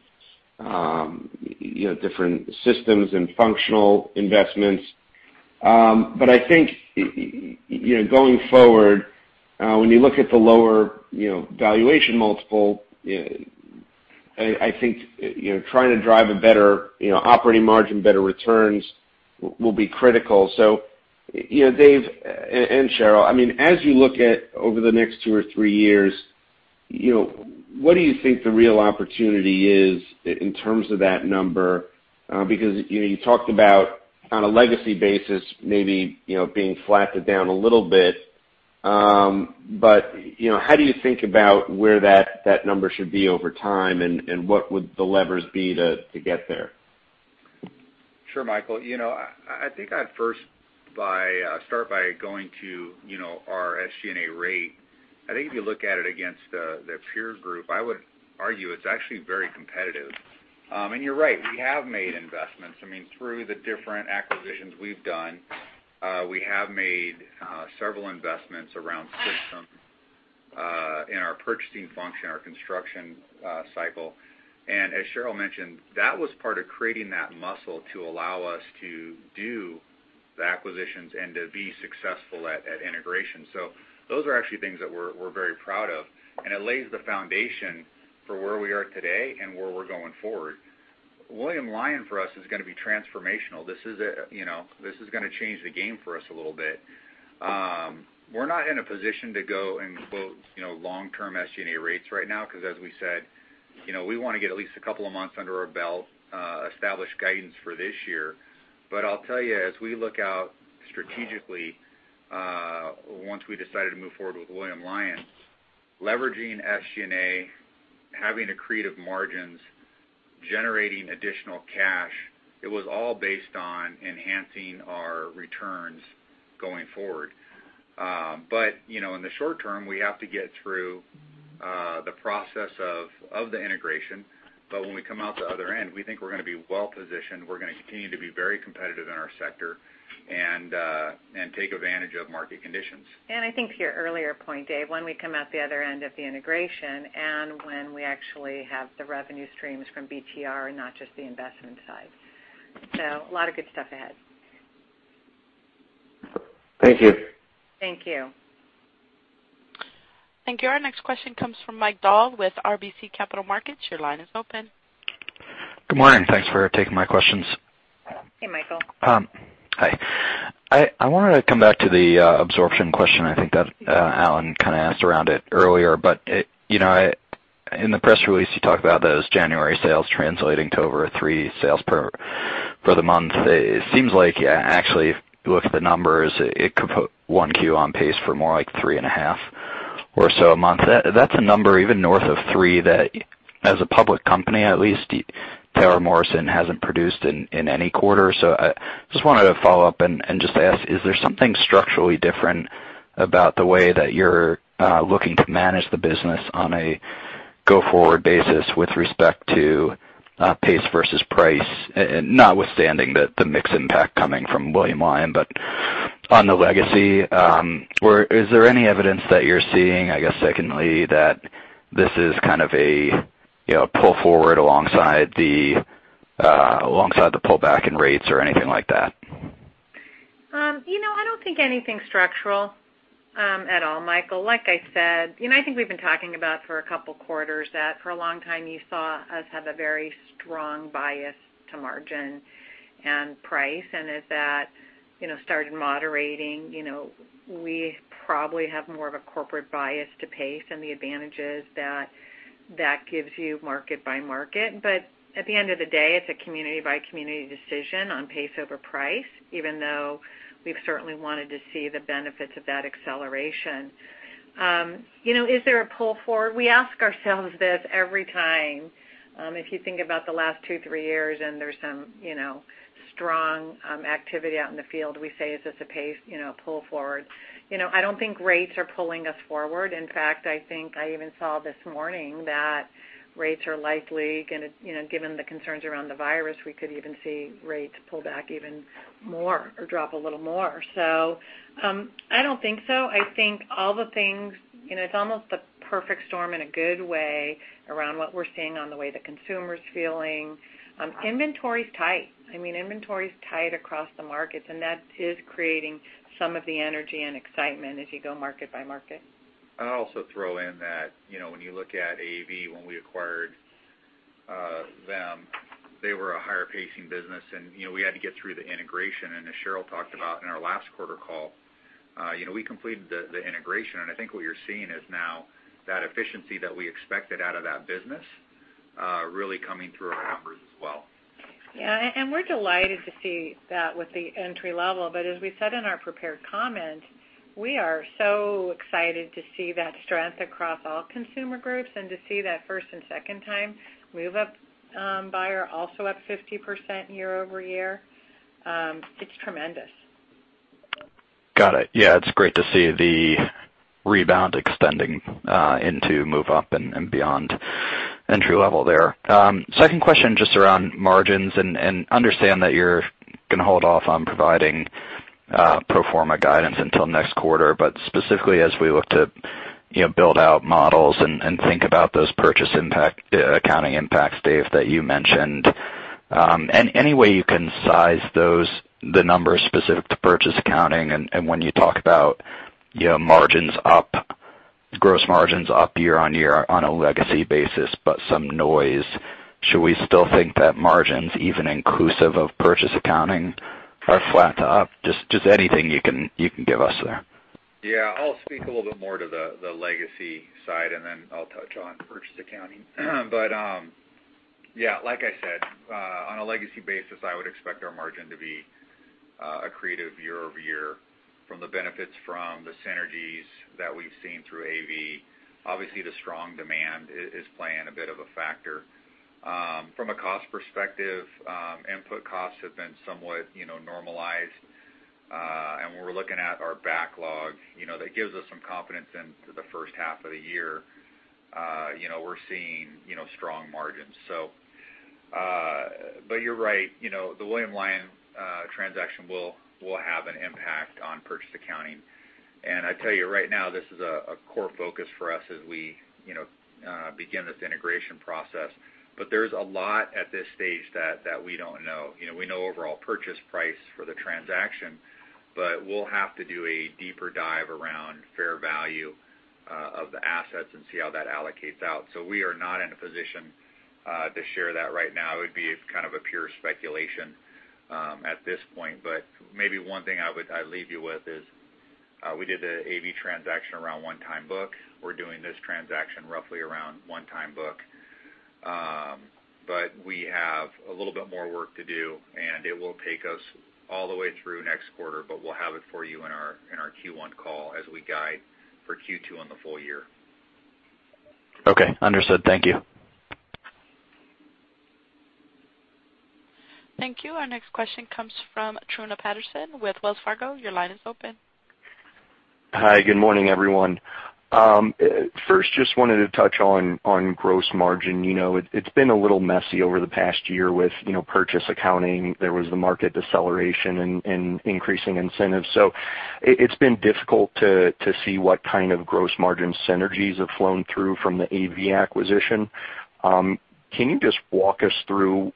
different systems and functional investments. I think going forward, when you look at the lower valuation multiple, trying to drive a better operating margin, better returns will be critical. Dave and Sheryl, I mean, as you look at over the next two or three years, what do you think the real opportunity is in terms of that number? Because you talked about on a legacy basis, maybe being flattened down a little bit, but how do you think about where that number should be over time, and what would the levers be to get there? Sure, Michael. I think I'd first start by going to our SG&A rate. I think if you look at it against their peer group, I would argue it's actually very competitive, and you're right. We have made investments. I mean, through the different acquisitions we've done, we have made several investments around systems in our purchasing function, our construction cycle, and as Sheryl mentioned, that was part of creating that muscle to allow us to do the acquisitions and to be successful at integration. So those are actually things that we're very proud of, and it lays the foundation for where we are today and where we're going forward. William Lyon for us is going to be transformational. This is going to change the game for us a little bit. We're not in a position to go and quote long-term SG&A rates right now because, as we said, we want to get at least a couple of months under our belt, establish guidance for this year. But I'll tell you, as we look out strategically, once we decided to move forward with William Lyon, leveraging SG&A, having to create margins, generating additional cash, it was all based on enhancing our returns going forward. But in the short term, we have to get through the process of the integration. But when we come out the other end, we think we're going to be well-positioned. We're going to continue to be very competitive in our sector and take advantage of market conditions. I think to your earlier point, Dave, when we come out the other end of the integration and when we actually have the revenue streams from BTR and not just the investment side. So a lot of good stuff ahead. Thank you. Thank you. Thank you. Our next question comes from Michael Dahl with RBC Capital Markets. Your line is open. Good morning. Thanks for taking my questions. Hey, Michael. Hi. I wanted to come back to the absorption question. I think that Alan kind of asked around it earlier, but in the press release, he talked about those January sales translating to over three sales per for the month. It seems like, actually, if you look at the numbers, it could put 1Q on pace for more like three and a half or so a month. That's a number even north of three that, as a public company at least, Taylor Morrison hasn't produced in any quarter. So I just wanted to follow up and just ask, is there something structurally different about the way that you're looking to manage the business on a go-forward basis with respect to pace versus price, notwithstanding the mix impact coming from William Lyon, but on the legacy? Is there any evidence that you're seeing, I guess, secondly, that this is kind of a pull forward alongside the pullback in rates or anything like that? I don't think anything structural at all, Michael. Like I said, I think we've been talking about for a couple of quarters that for a long time, you saw us have a very strong bias to margin and price, and as that started moderating, we probably have more of a corporate bias to pace and the advantages that that gives you market by market. But at the end of the day, it's a community-by-community decision on pace over price, even though we've certainly wanted to see the benefits of that acceleration. Is there a pull forward? We ask ourselves this every time. If you think about the last two, three years, and there's some strong activity out in the field, we say, "Is this a pull forward?" I don't think rates are pulling us forward. In fact, I think I even saw this morning that rates are likely going to, given the concerns around the virus, we could even see rates pull back even more or drop a little more. So I don't think so. I think all the things, it's almost the perfect storm in a good way around what we're seeing on the way the consumer's feeling. Inventory's tight. I mean, inventory's tight across the markets, and that is creating some of the energy and excitement as you go market by market. I'll also throw in that when you look at AV, when we acquired them, they were a higher pacing business, and we had to get through the integration. And as Sheryl talked about in our last quarter call, we completed the integration, and I think what you're seeing is now that efficiency that we expected out of that business really coming through our numbers as well. Yeah. And we're delighted to see that with the entry-level. But as we said in our prepared comment, we are so excited to see that strength across all consumer groups and to see that first- and second-time move-up buyer also up 50% year over year. It's tremendous. Got it. Yeah. It's great to see the rebound extending into move-up and beyond entry-level there. Second question just around margins, and understand that you're going to hold off on providing pro forma guidance until next quarter, but specifically as we look to build out models and think about those purchase accounting impacts, Dave, that you mentioned, and any way you can size the numbers specific to purchase accounting and when you talk about margins up, gross margins up year on year on a legacy basis, but some noise, should we still think that margins, even inclusive of purchase accounting, are flat to up? Just anything you can give us there. Yeah. I'll speak a little bit more to the legacy side, and then I'll touch on purchase accounting. But yeah, like I said, on a legacy basis, I would expect our margin to be greater year over year from the benefits from the synergies that we've seen through AV. Obviously, the strong demand is playing a bit of a factor. From a cost perspective, input costs have been somewhat normalized, and we're looking at our backlog. That gives us some confidence into the first half of the year. We're seeing strong margins. But you're right. The William Lyon transaction will have an impact on purchase accounting. And I tell you, right now, this is a core focus for us as we begin this integration process. But there's a lot at this stage that we don't know. We know overall purchase price for the transaction, but we'll have to do a deeper dive around fair value of the assets and see how that allocates out. So we are not in a position to share that right now. It would be kind of a pure speculation at this point. But maybe one thing I'd leave you with is we did the AV transaction around one-time book. We're doing this transaction roughly around one-time book. But we have a little bit more work to do, and it will take us all the way through next quarter, but we'll have it for you in our Q1 call as we guide for Q2 in the full year. Okay. Understood. Thank you. Thank you. Our next question comes from Truman Patterson with Wells Fargo. Your line is open. Hi. Good morning, everyone. First, just wanted to touch on gross margin. It's been a little messy over the past year with purchase accounting. There was the market deceleration and increasing incentives. So it's been difficult to see what kind of gross margin synergies have flown through from the AV acquisition. Can you just walk us through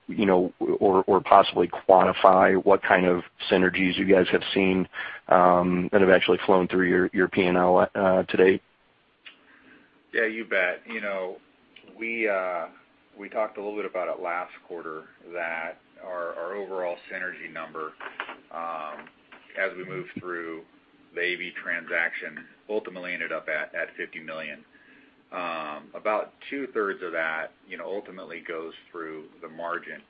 or possibly quantify what kind of synergies you guys have seen that have actually flown through your P&L today? Yeah, you bet. We talked a little bit about it last quarter, that our overall synergy number, as we move through the AV transaction, ultimately ended up at $50 million. About two-thirds of that ultimately goes through the margin.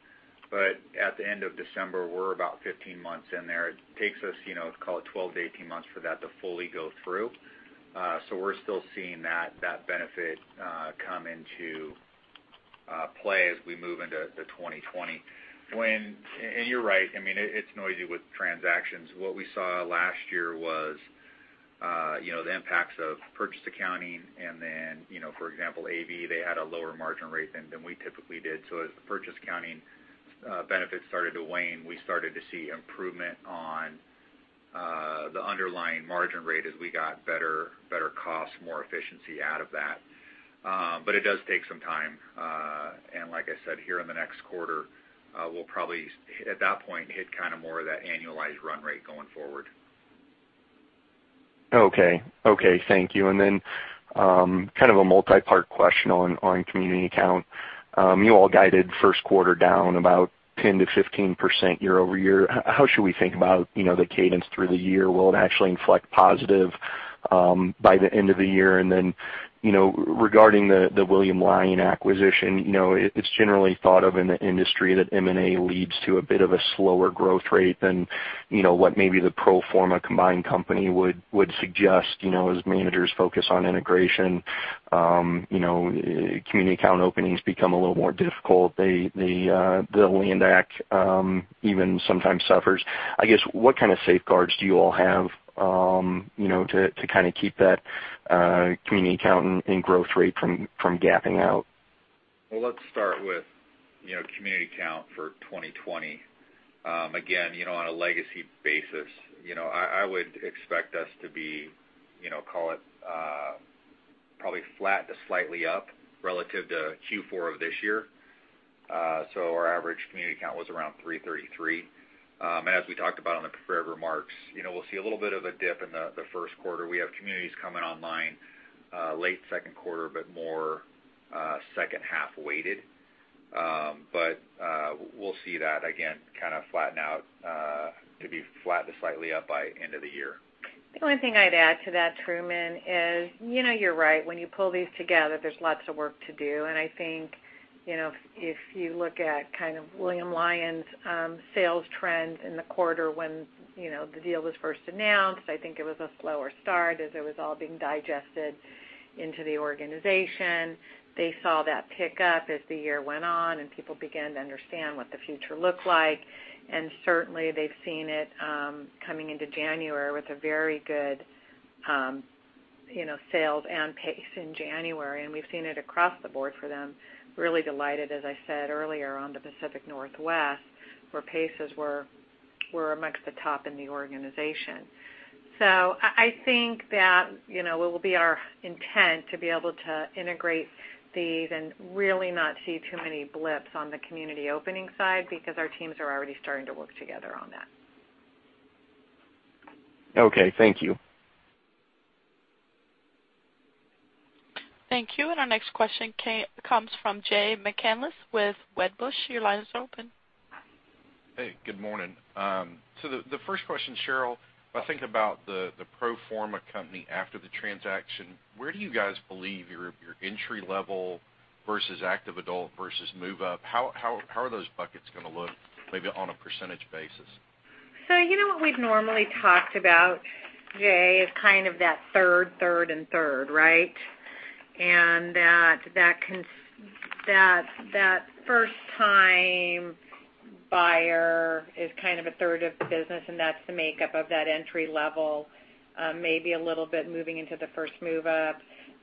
But at the end of December, we're about 15 months in there. It takes us, call it 12-18 months for that to fully go through. So we're still seeing that benefit come into play as we move into the 2020. And you're right. I mean, it's noisy with transactions. What we saw last year was the impacts of purchase accounting and then, for example, AV, they had a lower margin rate than we typically did. So as the purchase accounting benefits started to wane, we started to see improvement on the underlying margin rate as we got better costs, more efficiency out of that. But it does take some time. And like I said, here in the next quarter, we'll probably, at that point, hit kind of more of that annualized run rate going forward. Okay. Okay. Thank you. And then kind of a multi-part question on community count. You all guided first quarter down about 10%-15% year over year. How should we think about the cadence through the year? Will it actually inflect positive by the end of the year? And then regarding the William Lyon acquisition, it's generally thought of in the industry that M&A leads to a bit of a slower growth rate than what maybe the pro forma combined company would suggest as managers focus on integration. Community count openings become a little more difficult. The land acquisition even sometimes suffers. I guess, what kind of safeguards do you all have to kind of keep that community count and growth rate from gapping out? Well, let's start with community count for 2020. Again, on a legacy basis, I would expect us to be, call it probably flat to slightly up relative to Q4 of this year. So our average community count was around 333. And as we talked about in the prepared remarks, we'll see a little bit of a dip in the first quarter. We have communities coming online late second quarter, but more second half weighted. But we'll see that, again, kind of flatten out to be flat to slightly up by end of the year. The only thing I'd add to that, Truman, is you're right. When you pull these together, there's lots of work to do. And I think if you look at kind of William Lyon's sales trend in the quarter when the deal was first announced, I think it was a slower start as it was all being digested into the organization. They saw that pick up as the year went on, and people began to understand what the future looked like. And certainly, they've seen it coming into January with a very good sales and pace in January. And we've seen it across the board for them. Really delighted, as I said earlier, on the Pacific Northwest where paces were amongst the top in the organization. So I think that it will be our intent to be able to integrate these and really not see too many blips on the community opening side because our teams are already starting to work together on that. Okay. Thank you. Thank you. And our next question comes from Jay McCanless with Wedbush. Your line is open. Hey. Good morning. So the first question, Sheryl, if I think about the pro forma company after the transaction, where do you guys believe your entry-level versus active adult versus move-up? How are those buckets going to look maybe on a percentage basis? So you know what we've normally talked about, Jay, is kind of that third, third, and third, right? And that first-time buyer is kind of a third of business, and that's the makeup of that entry-level, maybe a little bit moving into the first move-up.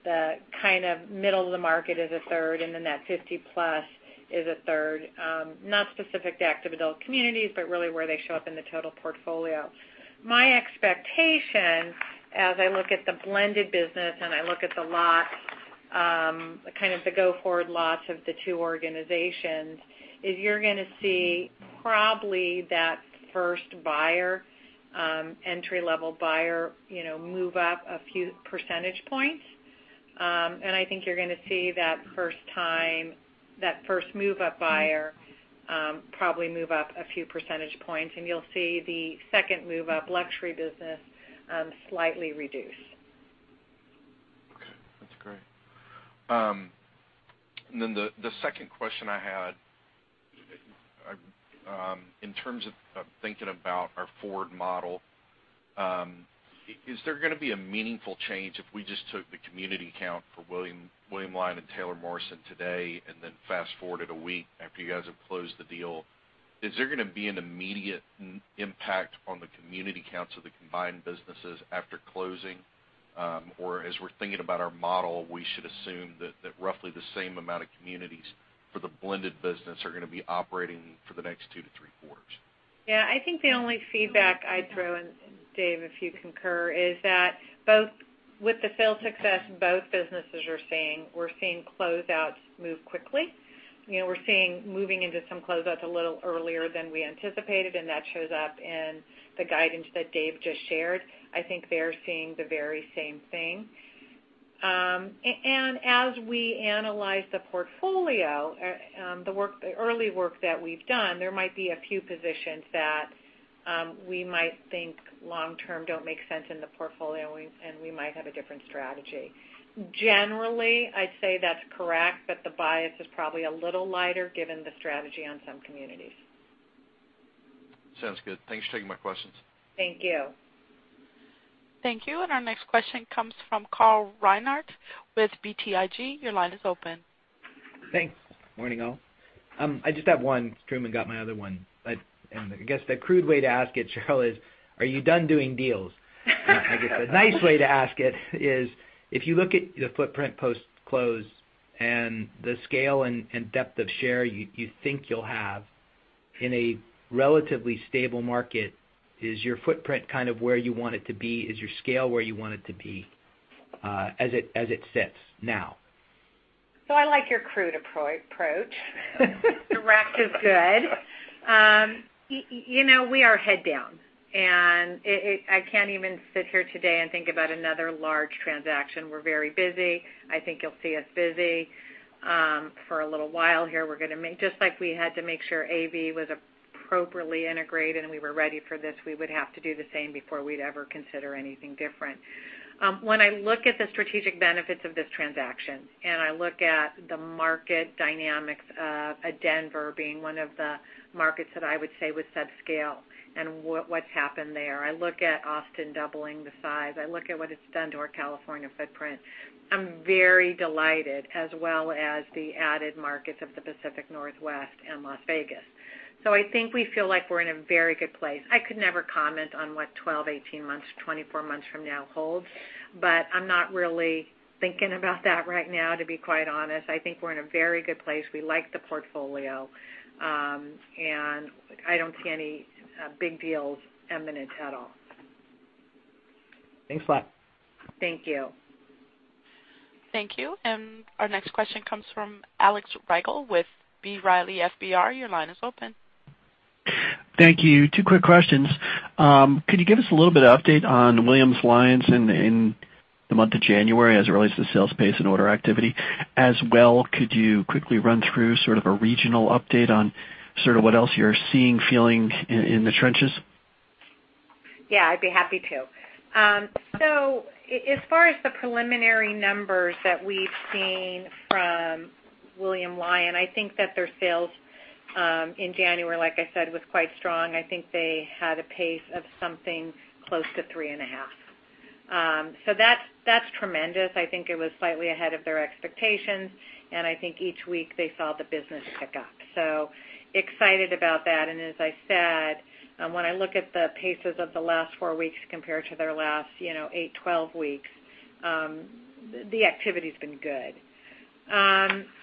The kind of middle of the market is a third, and then that 50-plus is a third, not specific to active adult communities, but really where they show up in the total portfolio. My expectation, as I look at the blended business and I look at the lots, kind of the go-forward lots of the two organizations, is you're going to see probably that first buyer, entry-level buyer, move up a few percentage points. And I think you're going to see that first move-up buyer probably move up a few percentage points, and you'll see the second move-up luxury business slightly reduce. Okay. That's great. And then the second question I had, in terms of thinking about our forward model, is there going to be a meaningful change if we just took the community count for William Lyon and Taylor Morrison today and then fast forwarded a week after you guys have closed the deal? Is there going to be an immediate impact on the community counts of the combined businesses after closing? Or as we're thinking about our model, we should assume that roughly the same amount of communities for the blended business are going to be operating for the next two to three quarters? Yeah. I think the only feedback I'd throw in, Dave, if you concur, is that both with the sales success, both businesses are seeing closeouts move quickly. We're seeing moving into some closeouts a little earlier than we anticipated, and that shows up in the guidance that Dave just shared. I think they're seeing the very same thing. As we analyze the portfolio, the early work that we've done, there might be a few positions that we might think long-term don't make sense in the portfolio, and we might have a different strategy. Generally, I'd say that's correct, but the bias is probably a little lighter given the strategy on some communities. Sounds good. Thanks for taking my questions. Thank you. Thank you. Our next question comes from Carl Reichardt with BTIG. Your line is open. Thanks. Morning, all. I just have one. Truman got my other one. I guess the crude way to ask it, Sheryl, is, are you done doing deals? I guess the nice way to ask it is, if you look at the footprint post-close and the scale and depth of share you think you'll have in a relatively stable market, is your footprint kind of where you want it to be? Is your scale where you want it to be as it sits now? So I like your crude approach. Direct is good. We are head down, and I can't even sit here today and think about another large transaction. We're very busy. I think you'll see us busy for a little while here. We're going to make just like we had to make sure AV was appropriately integrated and we were ready for this, we would have to do the same before we'd ever consider anything different. When I look at the strategic benefits of this transaction and I look at the market dynamics of Denver being one of the markets that I would say was subscale and what's happened there. I look at Austin doubling the size. I look at what it's done to our California footprint. I'm very delighted, as well as the added markets of the Pacific Northwest and Las Vegas. So I think we feel like we're in a very good place. I could never comment on what 12, 18 months, 24 months from now holds, but I'm not really thinking about that right now, to be quite honest. I think we're in a very good place. We like the portfolio, and I don't see any big deals imminent at all. Thanks a lot. Thank you. Thank you. And our next question comes from Alex Rygiel with B. Riley FBR. Your line is open. Thank you. Two quick questions. Could you give us a little bit of update on William Lyon's in the month of January as it relates to sales pace and order activity? As well, could you quickly run through sort of a regional update on sort of what else you're seeing, feeling in the trenches? Yeah. I'd be happy to. So as far as the preliminary numbers that we've seen from William Lyon, I think that their sales in January, like I said, was quite strong. I think they had a pace of something close to three and a half. So that's tremendous. I think it was slightly ahead of their expectations, and I think each week they saw the business pick up. So excited about that. As I said, when I look at the paces of the last four weeks compared to their last eight, 12 weeks, the activity has been good.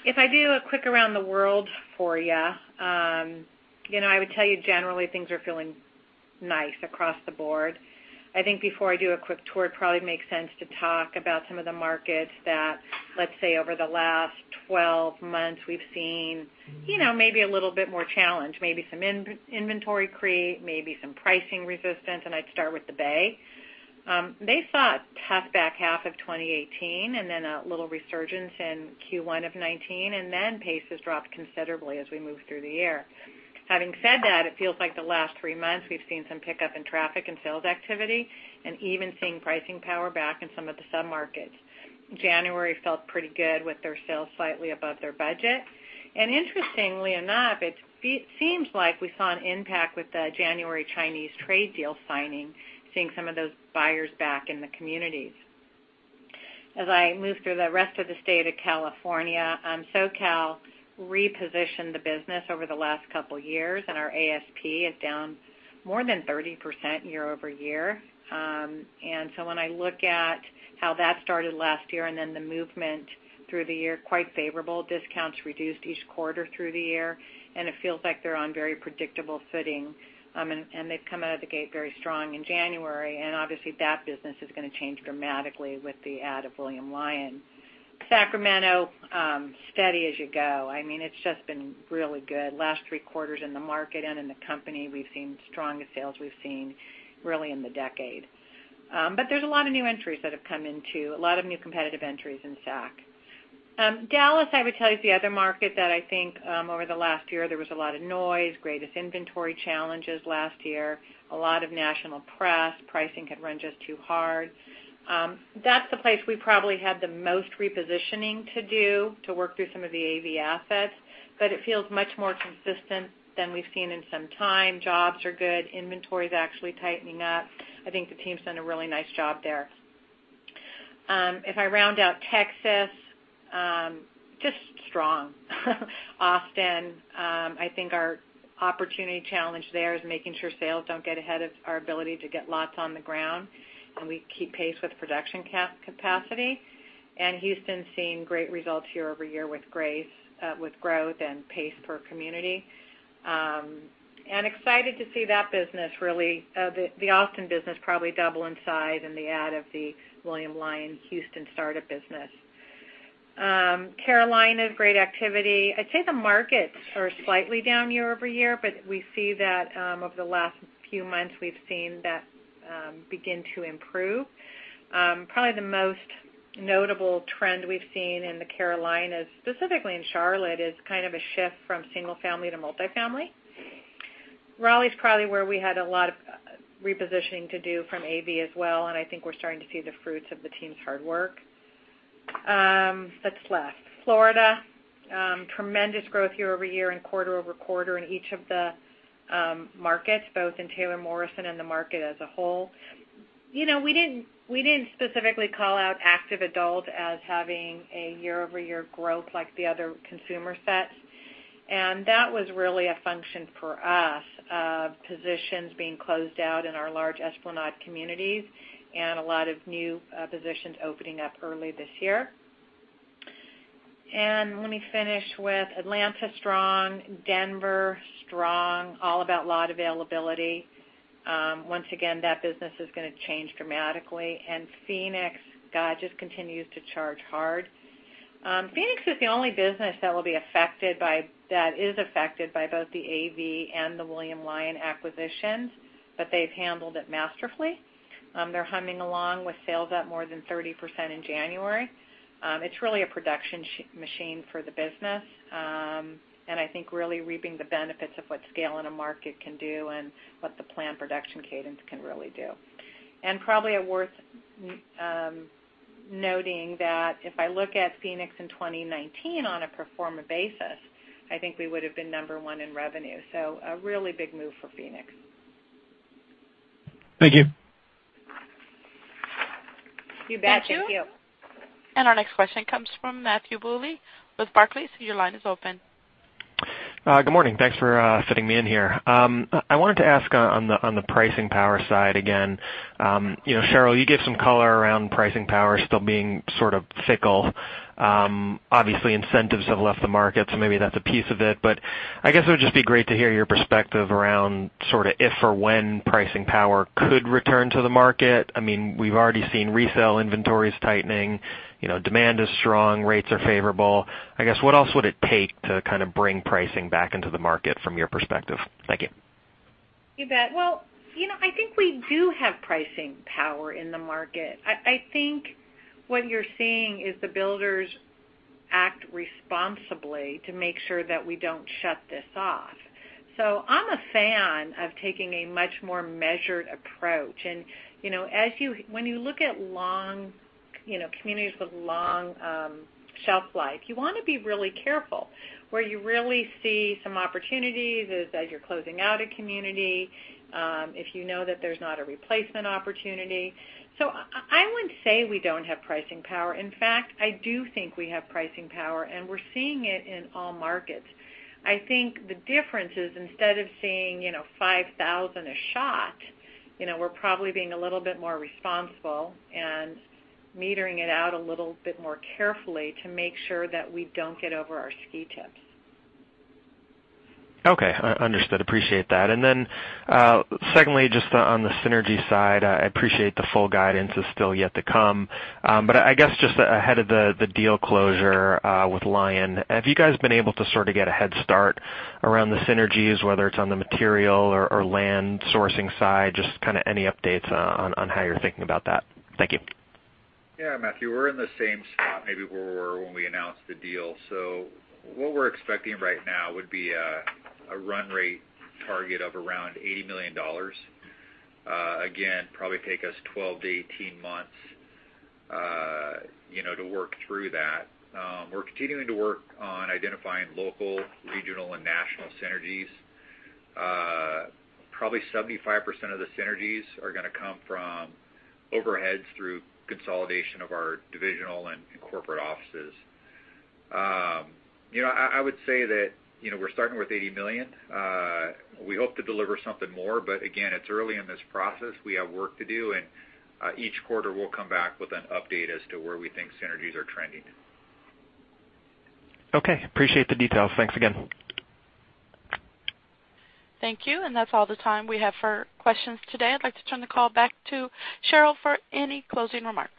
If I do a quick around the world for you, I would tell you generally things are feeling nice across the board. I think before I do a quick tour, it probably makes sense to talk about some of the markets that, let's say, over the last 12 months, we've seen maybe a little bit more challenge, maybe some inventory creep, maybe some pricing resistance. I'd start with the Bay. They saw a tough back half of 2018 and then a little resurgence in Q1 of 2019, and then pace has dropped considerably as we move through the year. Having said that, it feels like the last three months we've seen some pickup in traffic and sales activity and even seeing pricing power back in some of the submarkets. January felt pretty good with their sales slightly above their budget, and interestingly enough, it seems like we saw an impact with the January Chinese trade deal signing, seeing some of those buyers back in the communities. As I move through the rest of the state of California, SoCal repositioned the business over the last couple of years, and our ASP is down more than 30% year over year, and so when I look at how that started last year and then the movement through the year, quite favorable, discounts reduced each quarter through the year, and it feels like they're on very predictable footing, and they've come out of the gate very strong in January. Obviously, that business is going to change dramatically with the addition of William Lyon. Sacramento, steady as you go. I mean, it's just been really good. Last three quarters in the market and in the company, we've seen the strongest sales we've seen really in the decade. But there's a lot of new entries that have come in too, a lot of new competitive entries in Sac. Dallas, I would tell you, is the other market that I think over the last year there was a lot of noise, greatest inventory challenges last year, a lot of national press, pricing had run just too hard. That's the place we probably had the most repositioning to do to work through some of the AV assets, but it feels much more consistent than we've seen in some time. Jobs are good. Inventory is actually tightening up. I think the team's done a really nice job there. If I round out Texas, just strong. Austin, I think our opportunity challenge there is making sure sales don't get ahead of our ability to get lots on the ground and we keep pace with production capacity. And Houston's seen great results year over year with growth and pace per community. And excited to see that business really, the Austin business probably double in size and the add of the William Lyon Houston startup business. Carolinas is great activity. I'd say the markets are slightly down year over year, but we see that over the last few months we've seen that begin to improve. Probably the most notable trend we've seen in the Carolinas, specifically in Charlotte, is kind of a shift from single-family to multi-family. Raleigh's probably where we had a lot of repositioning to do from AV as well, and I think we're starting to see the fruits of the team's hard work. That's left. Florida, tremendous growth year over year and quarter over quarter in each of the markets, both in Taylor Morrison and the market as a whole. We didn't specifically call out active adult as having a year-over-year growth like the other consumer sets, and that was really a function for us of positions being closed out in our large Esplanade communities and a lot of new positions opening up early this year. And let me finish with Atlanta, strong. Denver, strong. All about lot availability. Once again, that business is going to change dramatically. And Phoenix, God, just continues to charge hard. Phoenix is the only business that will be affected by that, is affected by both the AV and the William Lyon acquisitions, but they've handled it masterfully. They're humming along with sales up more than 30% in January. It's really a production machine for the business, and I think really reaping the benefits of what scale in a market can do and what the planned production cadence can really do. And probably it's worth noting that if I look at Phoenix in 2019 on a proforma basis, I think we would have been number one in revenue. So a really big move for Phoenix. Thank you. You bet. Thank you. And our next question comes from Matthew Bouley with Barclays. Your line is open. Good morning. Thanks for fitting me in here. I wanted to ask on the pricing power side again. Sheryl, you gave some color around pricing power still being sort of fickle. Obviously, incentives have left the market, so maybe that's a piece of it. But I guess it would just be great to hear your perspective around sort of if or when pricing power could return to the market. I mean, we've already seen resale inventories tightening. Demand is strong. Rates are favorable. I guess what else would it take to kind of bring pricing back into the market from your perspective? Thank you. You bet. Well, I think we do have pricing power in the market. I think what you're seeing is the builders act responsibly to make sure that we don't shut this off. So I'm a fan of taking a much more measured approach. And when you look at communities with long shelf life, you want to be really careful. Where you really see some opportunities is as you're closing out a community, if you know that there's not a replacement opportunity. So I wouldn't say we don't have pricing power. In fact, I do think we have pricing power, and we're seeing it in all markets. I think the difference is instead of seeing $5,000 a shot, we're probably being a little bit more responsible and metering it out a little bit more carefully to make sure that we don't get over our ski tips. Okay. Understood. Appreciate that. And then secondly, just on the synergy side, I appreciate the full guidance is still yet to come. But I guess just ahead of the deal closure with Lyon, have you guys been able to sort of get a head start around the synergies, whether it's on the material or land sourcing side, just kind of any updates on how you're thinking about that? Thank you. Yeah. Matthew, we're in the same spot maybe where we were when we announced the deal. So what we're expecting right now would be a run rate target of around $80 million. Again, probably take us 12 to 18 months to work through that. We're continuing to work on identifying local, regional, and national synergies. Probably 75% of the synergies are going to come from overheads through consolidation of our divisional and corporate offices. I would say that we're starting with $80 million. We hope to deliver something more, but again, it's early in this process. We have work to do, and each quarter we'll come back with an update as to where we think synergies are trending. Okay. Appreciate the details. Thanks again. Thank you. And that's all the time we have for questions today. I'd like to turn the call back to Sheryl for any closing remarks.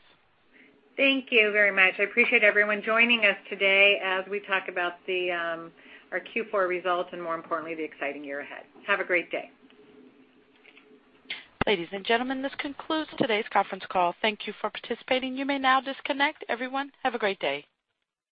Thank you very much. I appreciate everyone joining us today as we talk about our Q4 results and, more importantly, the exciting year ahead. Have a great day. Ladies and gentlemen, this concludes today's conference call. Thank you for participating. You may now disconnect. Everyone, have a great day.